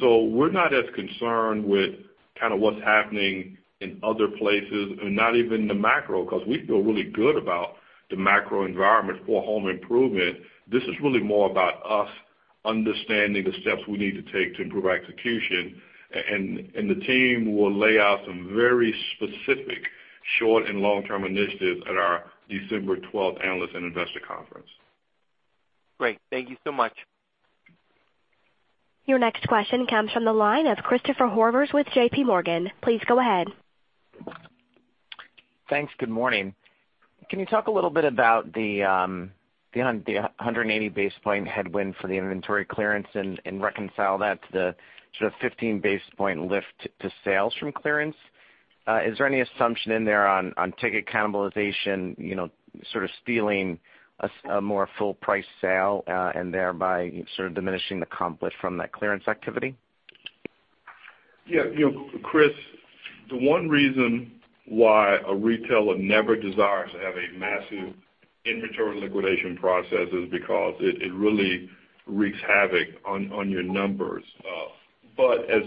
We're not as concerned with what's happening in other places, and not even the macro, because we feel really good about the macro environment for home improvement. This is really more about us understanding the steps we need to take to improve our execution, and the team will lay out some very specific short and long-term initiatives at our December 12th Analyst and Investor Conference. Great. Thank you so much. Your next question comes from the line of Christopher Horvers with JPMorgan. Please go ahead. Thanks. Good morning. Can you talk a little bit about the 180-basis-point headwind for the inventory clearance and reconcile that to the sort of 15-basis-point lift to sales from clearance? Is there any assumption in there on ticket cannibalization, sort of stealing a more full price sale, and thereby sort of diminishing the comp lift from that clearance activity? Yeah. Chris, the one reason why a retailer never desires to have a massive inventory liquidation process is because it really wreaks havoc on your numbers. As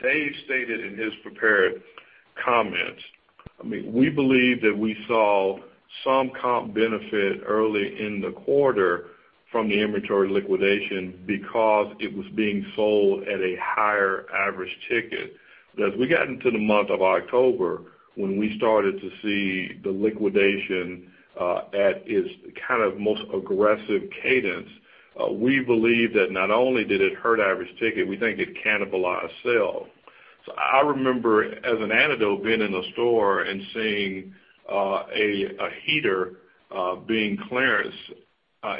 Dave stated in his prepared comments, we believe that we saw some comp benefit early in the quarter from the inventory liquidation because it was being sold at a higher average ticket. As we got into the month of October, when we started to see the liquidation at its most aggressive cadence, we believe that not only did it hurt average ticket, we think it cannibalized sales. I remember, as an antidote, being in a store and seeing a heater being clearance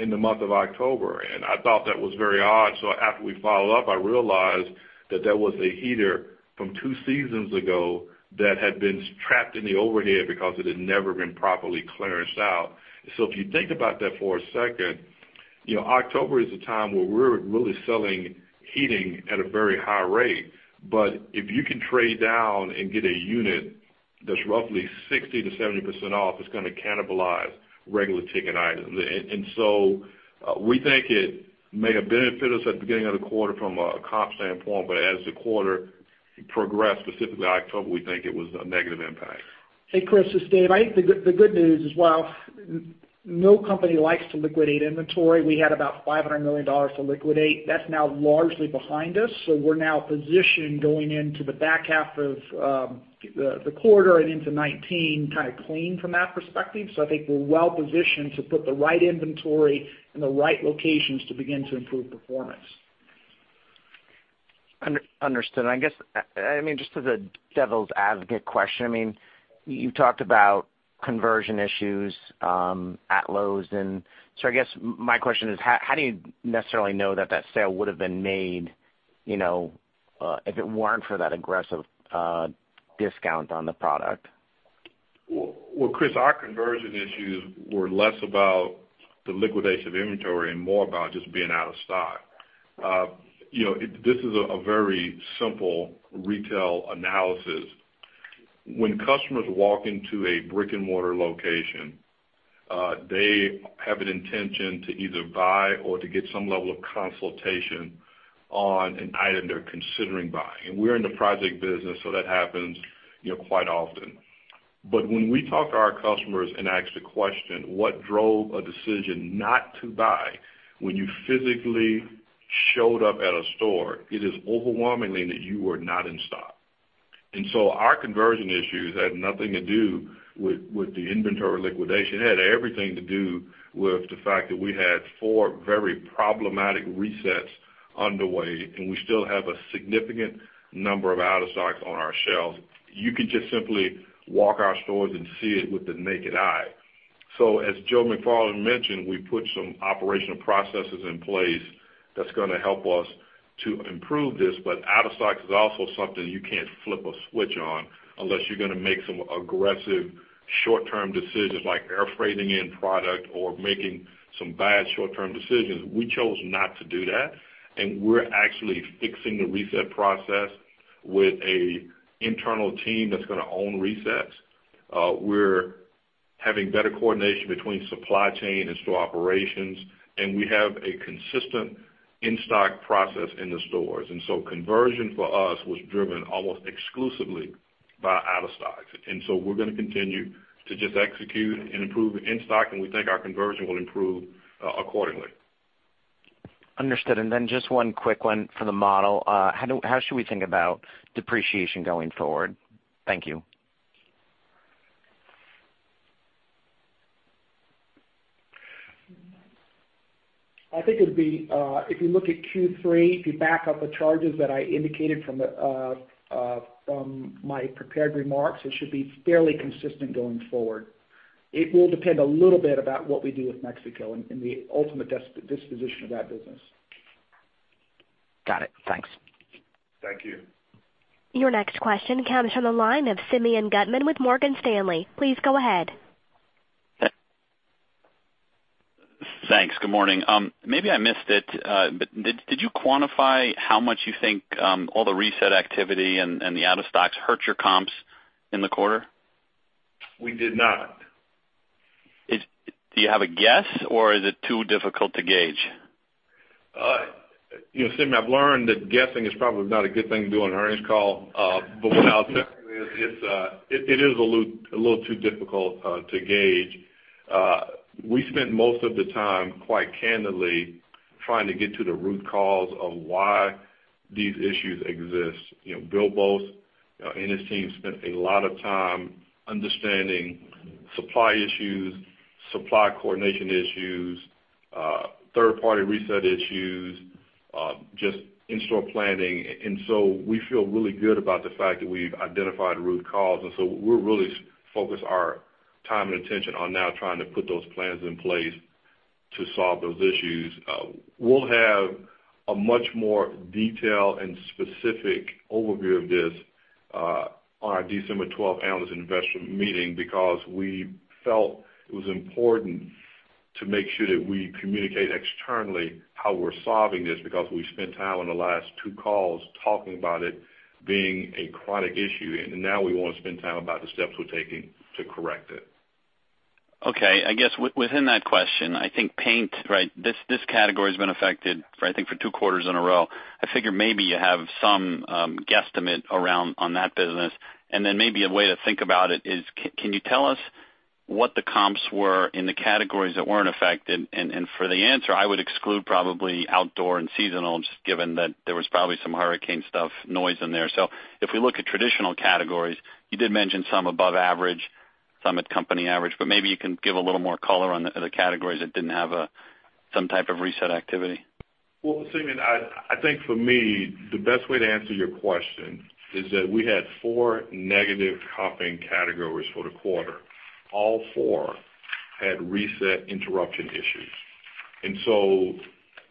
in the month of October, and I thought that was very odd. After we followed up, I realized that that was a heater from two seasons ago that had been trapped in the overhead because it had never been properly clearanced out. If you think about that for a second, October is a time where we're really selling heating at a very high rate. If you can trade down and get a unit that's roughly 60% to 70% off, it's going to cannibalize regular ticket items. We think it may have benefited us at the beginning of the quarter from a comp standpoint, but as the quarter progressed, specifically October, we think it was a negative impact. Hey, Chris, this is Dave. I think the good news is while no company likes to liquidate inventory, we had about $500 million to liquidate. That's now largely behind us, so we're now positioned going into the back half of the quarter and into 2019, kind of clean from that perspective. I think we're well-positioned to put the right inventory in the right locations to begin to improve performance. Understood. I guess, just as a devil's advocate question, you've talked about conversion issues at Lowe's, I guess my question is, how do you necessarily know that that sale would have been made, if it weren't for that aggressive discount on the product? Well, Chris, our conversion issues were less about the liquidation of inventory and more about just being out of stock. This is a very simple retail analysis. When customers walk into a brick-and-mortar location, they have an intention to either buy or to get some level of consultation on an item they're considering buying. We're in the project business, so that happens quite often. When we talk to our customers and ask the question, what drove a decision not to buy when you physically showed up at a store, it is overwhelmingly that you were not in stock. Our conversion issues had nothing to do with the inventory liquidation. It had everything to do with the fact that we had four very problematic resets underway, and we still have a significant number of out-of-stocks on our shelves. You could just simply walk our stores and see it with the naked eye. As Joe McFarland mentioned, we put some operational processes in place that's going to help us to improve this. Out-of-stocks is also something you can't flip a switch on unless you're going to make some aggressive short-term decisions like air freighting in product or making some bad short-term decisions. We chose not to do that, and we're actually fixing the reset process with an internal team that's going to own resets. We're having better coordination between supply chain and store operations, and we have a consistent in-stock process in the stores. Conversion for us was driven almost exclusively by out-of-stocks. We're going to continue to just execute and improve in-stock, and we think our conversion will improve accordingly. Understood. Just one quick one for the model. How should we think about depreciation going forward? Thank you. I think if you look at Q3, if you back out the charges that I indicated from my prepared remarks, it should be fairly consistent going forward. It will depend a little bit about what we do with Mexico and the ultimate disposition of that business. Got it. Thanks. Thank you. Your next question comes from the line of Simeon Gutman with Morgan Stanley. Please go ahead. Thanks. Good morning. Maybe I missed it, but did you quantify how much you think all the reset activity and the out-of-stocks hurt your comps in the quarter? We did not. Do you have a guess or is it too difficult to gauge? Simeon, I've learned that guessing is probably not a good thing to do on an earnings call. What I'll tell you is, it is a little too difficult to gauge. We spent most of the time, quite candidly, trying to get to the root cause of why these issues exist. Bill Boltz and his team spent a lot of time understanding supply issues, supply coordination issues, third-party reset issues, just in-store planning. We feel really good about the fact that we've identified the root cause. We're really focused our time and attention on now trying to put those plans in place to solve those issues. We'll have a much more detailed and specific overview of this on our December 12 analyst investment meeting because we felt it was important to make sure that we communicate externally how we're solving this, because we've spent time on the last two calls talking about it being a chronic issue. Now we want to spend time about the steps we're taking to correct it. Okay. I guess within that question, I think paint, this category has been affected I think for two quarters in a row. I figure maybe you have some guesstimate around on that business. Then maybe a way to think about it is, can you tell us what the comps were in the categories that weren't affected? For the answer, I would exclude probably outdoor and seasonal, just given that there was probably some hurricane stuff noise in there. If we look at traditional categories, you did mention some above average, some at company average, but maybe you can give a little more color on the other categories that didn't have some type of reset activity. Well, Simeon, I think for me, the best way to answer your question is that we had four negative comping categories for the quarter. All four had reset interruption issues.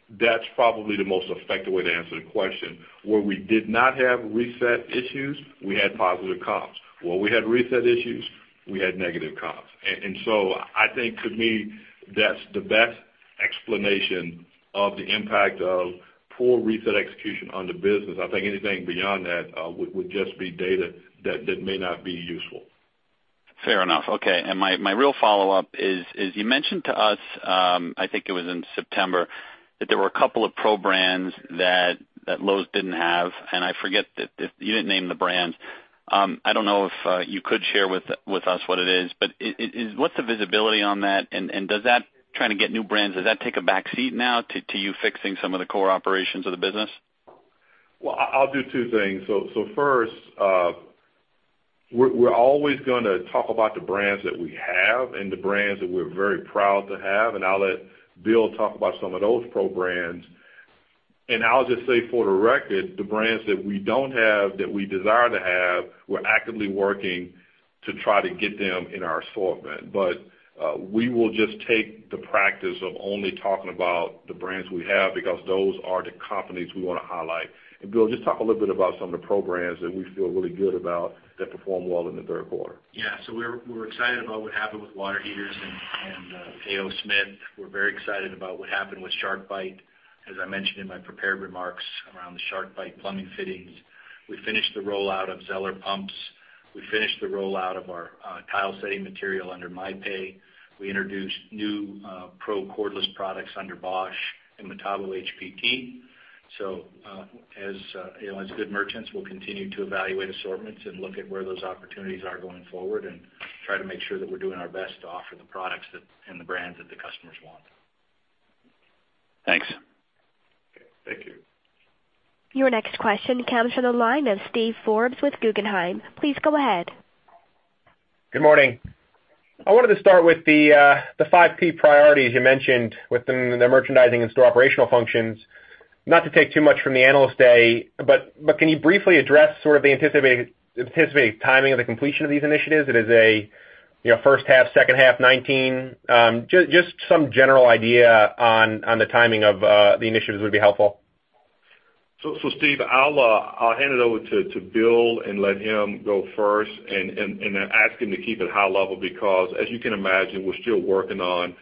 That's probably the most effective way to answer the question. Where we did not have reset issues, we had positive comps. Where we had reset issues, we had negative comps. I think to me, that's the best explanation of the impact of poor reset execution on the business. I think anything beyond that would just be data that may not be useful. Fair enough. Okay. My real follow-up is, you mentioned to us, I think it was in September, that there were a couple of pro brands that Lowe's didn't have, and I forget, you didn't name the brands. I don't know if you could share with us what it is. What's the visibility on that and trying to get new brands, does that take a back seat now to you fixing some of the core operations of the business? I'll do two things. First, we're always going to talk about the brands that we have and the brands that we're very proud to have, and I'll let Bill talk about some of those pro brands. I'll just say for the record, the brands that we don't have that we desire to have, we're actively working to try to get them in our assortment. We will just take the practice of only talking about the brands we have because those are the companies we want to highlight. Bill, just talk a little bit about some of the pro brands that we feel really good about that performed well in the third quarter. We're excited about what happened with water heaters and A. O. Smith. We're very excited about what happened with SharkBite, as I mentioned in my prepared remarks around the SharkBite plumbing fittings. We finished the rollout of Zoeller Pumps. We finished the rollout of our tile setting material under MAPEI. We introduced new pro cordless products under Bosch and Metabo HPT. As good merchants, we'll continue to evaluate assortments and look at where those opportunities are going forward and try to make sure that we're doing our best to offer the products and the brands that the customers want. Thanks. Thank you. Your next question comes from the line of Steven Forbes with Guggenheim. Please go ahead. Good morning. I wanted to start with the five P priorities you mentioned within the merchandising and store operational functions. Not to take too much from the Analyst Day, but can you briefly address sort of the anticipated timing of the completion of these initiatives? Is it a first half, second half 2019? Just some general idea on the timing of the initiatives would be helpful. Steve, I'll hand it over to Bill and let him go first and then ask him to keep it high level because as you can imagine, we're still working on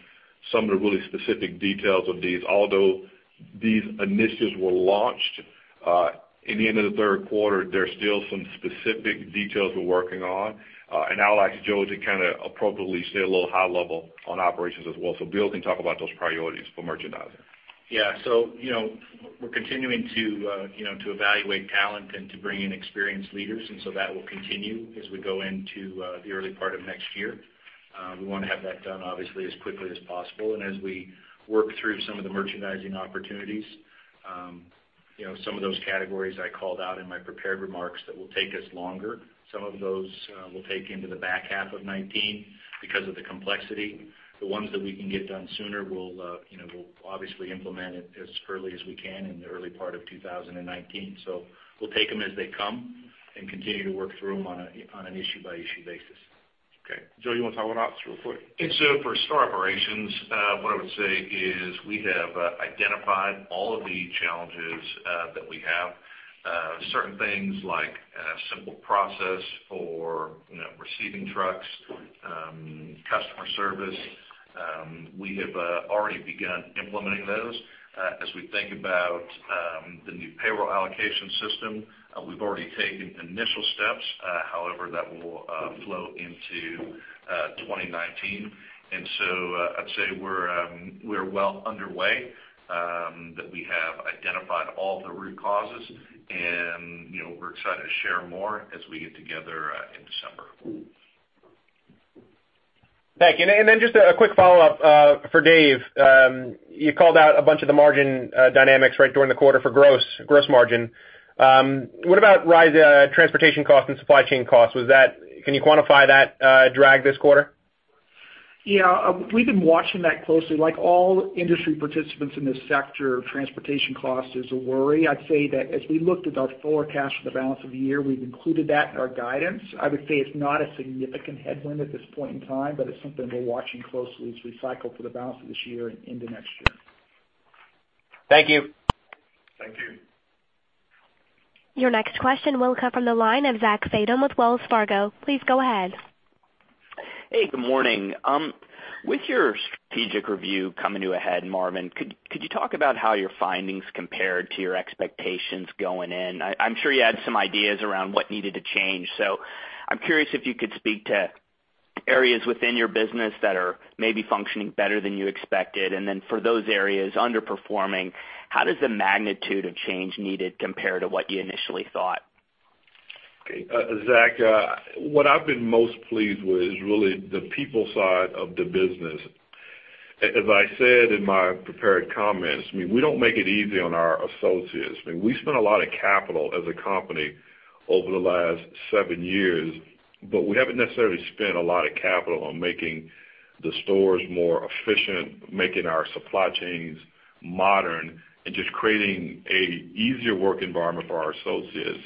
some of the really specific details of these. Although these initiatives were launched in the end of the third quarter, there's still some specific details we're working on. I'll ask Joe to appropriately stay a little high level on operations as well. Bill can talk about those priorities for merchandising. Yeah. We're continuing to evaluate talent and to bring in experienced leaders, and so that will continue as we go into the early part of next year. We want to have that done, obviously, as quickly as possible. As we work through some of the merchandising opportunities, some of those categories I called out in my prepared remarks that will take us longer, some of those will take into the back half of 2019 because of the complexity. The ones that we can get done sooner, we'll obviously implement it as early as we can in the early part of 2019. We'll take them as they come and continue to work through them on an issue-by-issue basis. Okay. Joe, you want to talk about ops real quick? For store operations, what I would say is we have identified all of the challenges that we have. Certain things like a simple process for receiving trucks, customer service, we have already begun implementing those. As we think about the new payroll allocation system, we've already taken initial steps. However, that will flow into 2019. I'd say we're well underway, that we have identified all the root causes, and we're excited to share more as we get together in December. Thank you. Just a quick follow-up for Dave. You called out a bunch of the margin dynamics right during the quarter for gross margin. What about rise in transportation cost and supply chain cost? Can you quantify that drag this quarter? Yeah. We've been watching that closely. Like all industry participants in this sector, transportation cost is a worry. I'd say that as we looked at our forecast for the balance of the year, we've included that in our guidance. I would say it's not a significant headwind at this point in time, but it's something we're watching closely as we cycle through the balance of this year and into next year. Thank you. Thank you. Your next question will come from the line of Zachary Fadem with Wells Fargo. Please go ahead. Hey, good morning. With your strategic review coming to a head, Marvin, could you talk about how your findings compared to your expectations going in? I'm sure you had some ideas around what needed to change. I'm curious if you could speak to areas within your business that are maybe functioning better than you expected. For those areas underperforming, how does the magnitude of change needed compare to what you initially thought? Okay. Zach, what I've been most pleased with is really the people side of the business. As I said in my prepared comments, we don't make it easy on our associates. We spent a lot of capital as a company over the last seven years, but we haven't necessarily spent a lot of capital on making the stores more efficient, making our supply chains modern, and just creating a easier work environment for our associates.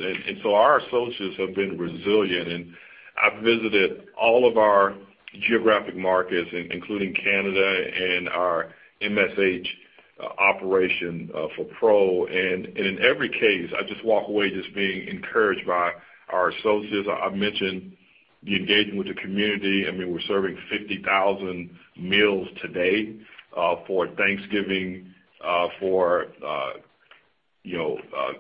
Our associates have been resilient, and I've visited all of our geographic markets, including Canada and our MSH operation for Pro. In every case, I just walk away just being encouraged by our associates. I've mentioned the engagement with the community. We're serving 50,000 meals today for Thanksgiving for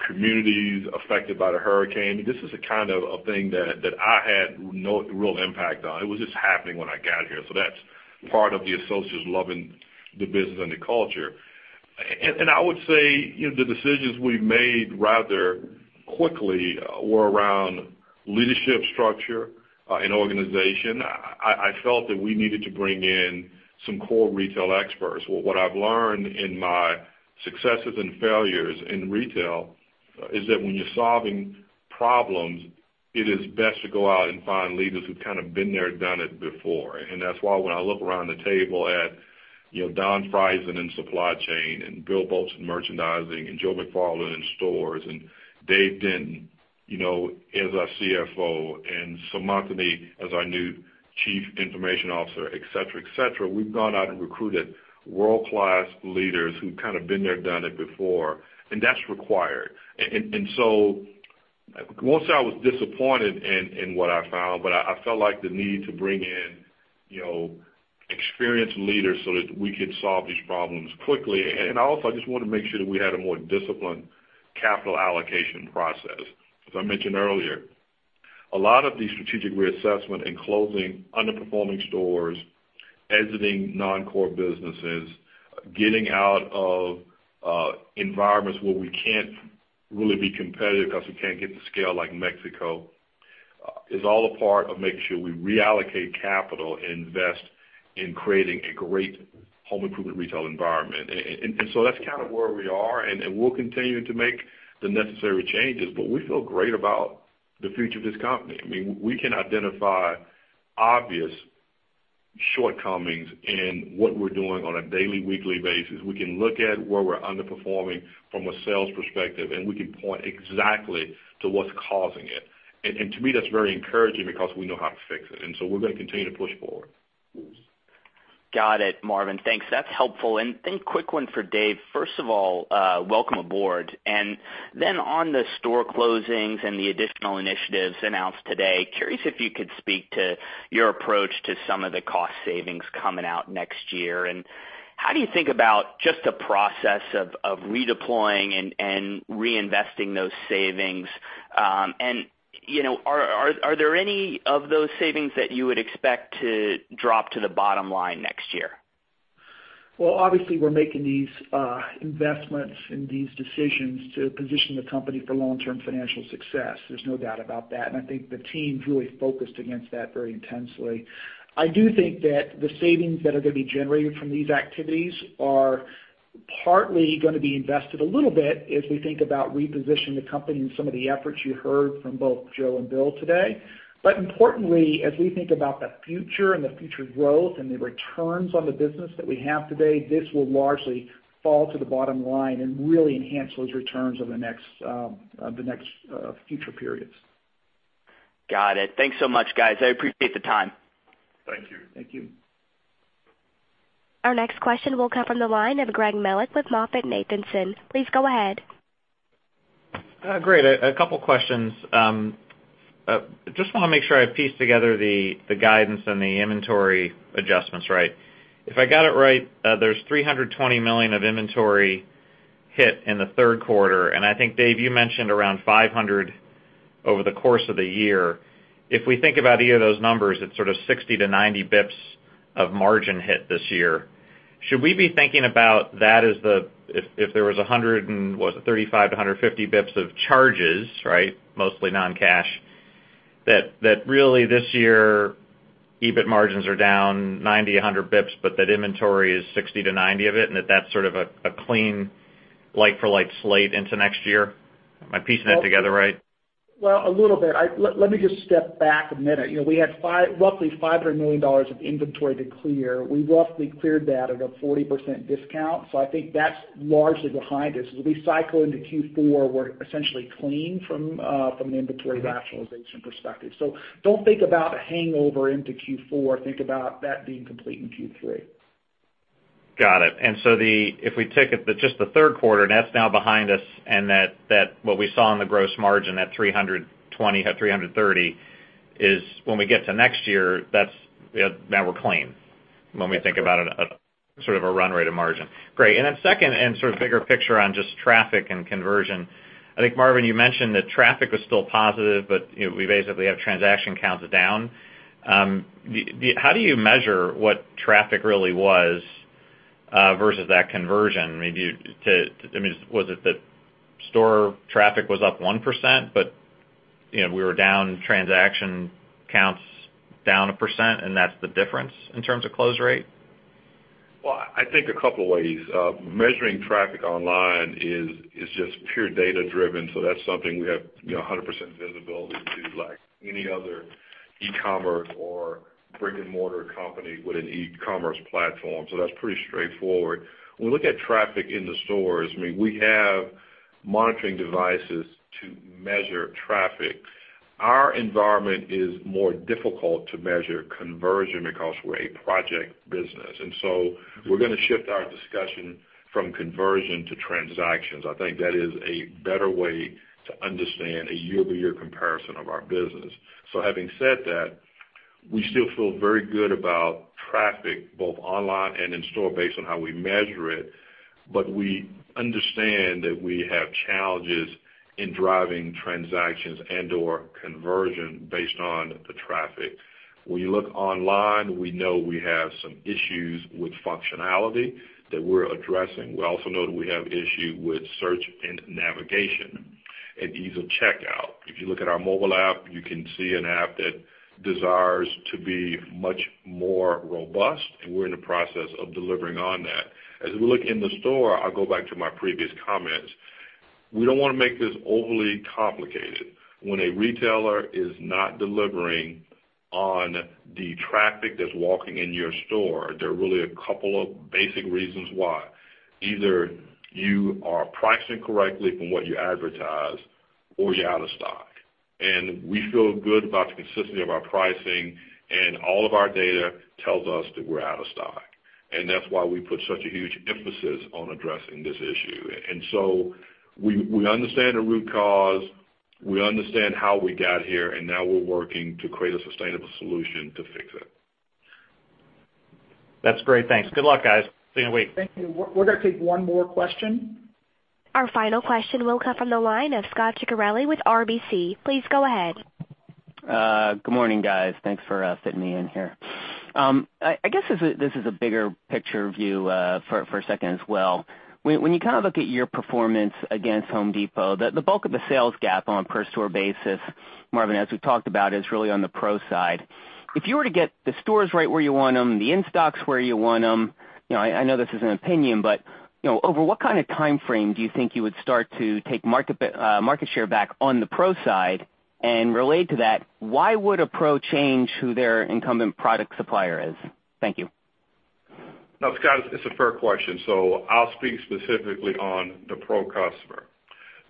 communities affected by the hurricane. This is a kind of a thing that I had no real impact on. It was just happening when I got here. That's part of the associates loving the business and the culture. I would say, the decisions we've made rather quickly were around leadership structure and organization. I felt that we needed to bring in some core retail experts. What I've learned in my successes and failures in retail is that when you're solving problems, it is best to go out and find leaders who've kind of been there, done it before. That's why when I look around the table at Don Frieson in supply chain and Bill Boltz in merchandising and Joe McFarland in stores and Dave Denton as our CFO and Seemantini as our new Chief Information Officer, et cetera. We've gone out and recruited world-class leaders who've kind of been there, done it before, and that's required. I won't say I was disappointed in what I found, but I felt like the need to bring in experienced leaders so that we could solve these problems quickly. I also, I just wanted to make sure that we had a more disciplined capital allocation process. As I mentioned earlier, a lot of the strategic reassessment in closing underperforming stores, exiting non-core businesses, getting out of environments where we can't really be competitive because we can't get the scale like Mexico, is all a part of making sure we reallocate capital and invest in creating a great home improvement retail environment. That's kind of where we are, and we'll continue to make the necessary changes, but we feel great about the future of this company. We can identify obvious shortcomings in what we're doing on a daily, weekly basis. We can look at where we're underperforming from a sales perspective, and we can point exactly to what's causing it. To me, that's very encouraging because we know how to fix it. We're going to continue to push forward. Got it, Marvin. Thanks. That's helpful. Then quick one for Dave. First of all, welcome aboard. Then on the store closings and the additional initiatives announced today, curious if you could speak to your approach to some of the cost savings coming out next year and how do you think about just the process of redeploying and reinvesting those savings? Are there any of those savings that you would expect to drop to the bottom line next year? Obviously, we're making these investments and these decisions to position the company for long-term financial success. There's no doubt about that. I think the team's really focused against that very intensely. I do think that the savings that are going to be generated from these activities are partly going to be invested a little bit as we think about repositioning the company and some of the efforts you heard from both Joe and Bill today. Importantly, as we think about the future and the future growth and the returns on the business that we have today, this will largely fall to the bottom line and really enhance those returns over the next future periods. Got it. Thanks so much, guys. I appreciate the time. Thank you. Thank you. Our next question will come from the line of Greg Melich with MoffettNathanson. Please go ahead. Great. A couple questions. Just want to make sure I piece together the guidance and the inventory adjustments right. If I got it right, there's $320 million of inventory hit in Q3, and I think, Dave, you mentioned around $500 million over the course of the year. If we think about either of those numbers, it's sort of 60-90 basis points of margin hit this year. Should we be thinking about that as the-- If there was 135-150 basis points of charges, right, mostly non-cash, that really this year, EBIT margins are down 90-100 basis points, but that inventory is 60-90 of it, and that that's sort of a clean like-for-like slate into next year? Am I piecing that together right? Well, a little bit. Let me just step back a minute. We had roughly $500 million of inventory to clear. We roughly cleared that at a 40% discount. I think that's largely behind us. As we cycle into Q4, we're essentially clean from an inventory rationalization perspective. Don't think about a hangover into Q4. Think about that being complete in Q3. Got it. If we take just Q3 and that's now behind us and that what we saw in the gross margin, that $320 million-$330 million is when we get to next year, now we're clean- That's correct. When we think about it, sort of a run rate of margin. Great. Second, sort of bigger picture on just traffic and conversion. I think, Marvin, you mentioned that traffic was still positive, but we basically have transaction counts down. How do you measure what traffic really was versus that conversion? I mean, was it that store traffic was up 1%, but we were down transaction counts down 1%, and that's the difference in terms of close rate? I think a couple of ways. Measuring traffic online is just pure data-driven, that's something we have 100% visibility to, like any other e-commerce or brick-and-mortar company with an e-commerce platform. That's pretty straightforward. When we look at traffic in the stores, we have monitoring devices to measure traffic. Our environment is more difficult to measure conversion because we're a project business. We're going to shift our discussion from conversion to transactions. I think that is a better way to understand a year-over-year comparison of our business. Having said that, we still feel very good about traffic, both online and in-store, based on how we measure it. We understand that we have challenges in driving transactions and/or conversion based on the traffic. You look online, we know we have some issues with functionality that we're addressing. We also know that we have issue with search and navigation at ease of checkout. You look at our mobile app, you can see an app that desires to be much more robust, and we're in the process of delivering on that. We look in the store, I'll go back to my previous comments. We don't want to make this overly complicated. When a retailer is not delivering on the traffic that's walking in your store, there are really a couple of basic reasons why. Either you are pricing correctly from what you advertise or you're out of stock. We feel good about the consistency of our pricing and all of our data tells us that we're out of stock. That's why we put such a huge emphasis on addressing this issue. We understand the root cause, we understand how we got here, and now we're working to create a sustainable solution to fix it. That's great. Thanks. Good luck, guys. See you in a week. Thank you. We're going to take one more question. Our final question will come from the line of Scot Ciccarelli with RBC. Please go ahead. Good morning, guys. Thanks for fitting me in here. I guess as this is a bigger picture view for a second as well. When you kind of look at your performance against The Home Depot, the bulk of the sales gap on a per store basis, Marvin, as we've talked about, is really on the pro side. If you were to get the stores right where you want them, the in-stocks where you want them, I know this is an opinion, but over what kind of timeframe do you think you would start to take market share back on the pro side? Related to that, why would a pro change who their incumbent product supplier is? Thank you. No, Scot, it's a fair question. I'll speak specifically on the pro customer.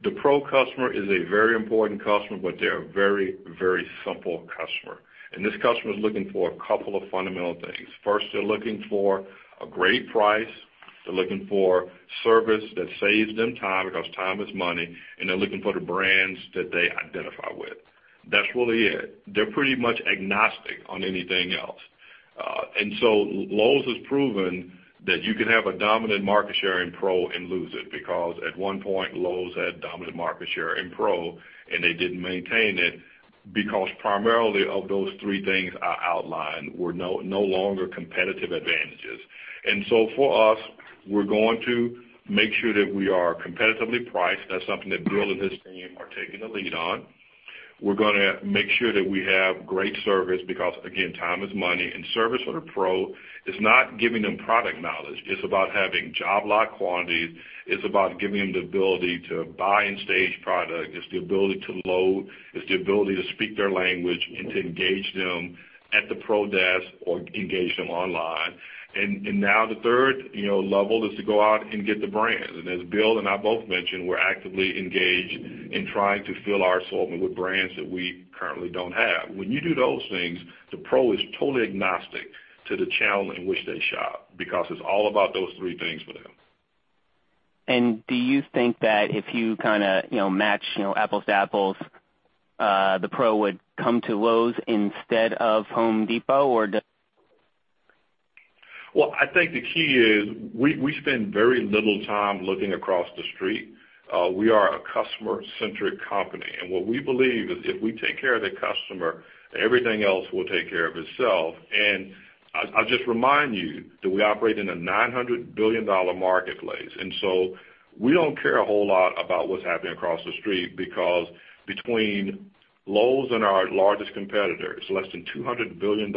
The pro customer is a very important customer, but they're a very, very simple customer. This customer is looking for a couple of fundamental things. First, they're looking for a great price. They're looking for service that saves them time because time is money, and they're looking for the brands that they identify with. That's really it. They're pretty much agnostic on anything else. Lowe's has proven that you can have a dominant market share in pro and lose it, because at one point, Lowe's had dominant market share in pro, and they didn't maintain it because primarily of those three things I outlined were no longer competitive advantages. For us, we're going to make sure that we are competitively priced. That's something that Bill and his team are taking the lead on. We're going to make sure that we have great service because, again, time is money, and service with a pro is not giving them product knowledge. It's about having job lot quantities. It's about giving them the ability to buy and stage product. It's the ability to load. It's the ability to speak their language and to engage them at the pro desk or engage them online. Now the 3 level is to go out and get the brands. As Bill and I both mentioned, we're actively engaged in trying to fill our assortment with brands that we currently don't have. When you do those things, the pro is totally agnostic to the channel in which they shop because it's all about those three things for them. Do you think that if you match apples to apples, the pro would come to Lowe's instead of The Home Depot? Or does Well, I think the key is we spend very little time looking across the street. We are a customer-centric company, and what we believe is if we take care of the customer, everything else will take care of itself. I'll just remind you that we operate in a $900 billion marketplace. We don't care a whole lot about what's happening across the street because between Lowe's and our largest competitor, it's less than $200 billion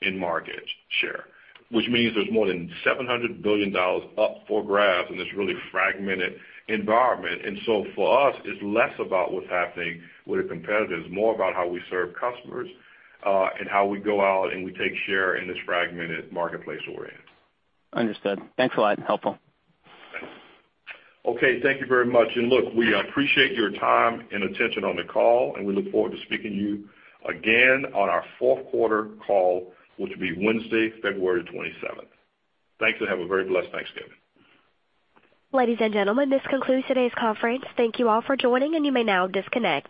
in market share, which means there's more than $700 billion up for grabs in this really fragmented environment. For us, it's less about what's happening with the competitors, more about how we serve customers, and how we go out, and we take share in this fragmented marketplace we're in. Understood. Thanks a lot. Helpful. Okay. Thank you very much. Look, we appreciate your time and attention on the call, and we look forward to speaking to you again on our fourth quarter call, which will be Wednesday, February 27th. Thanks, and have a very blessed Thanksgiving. Ladies and gentlemen, this concludes today's conference. Thank you all for joining, and you may now disconnect.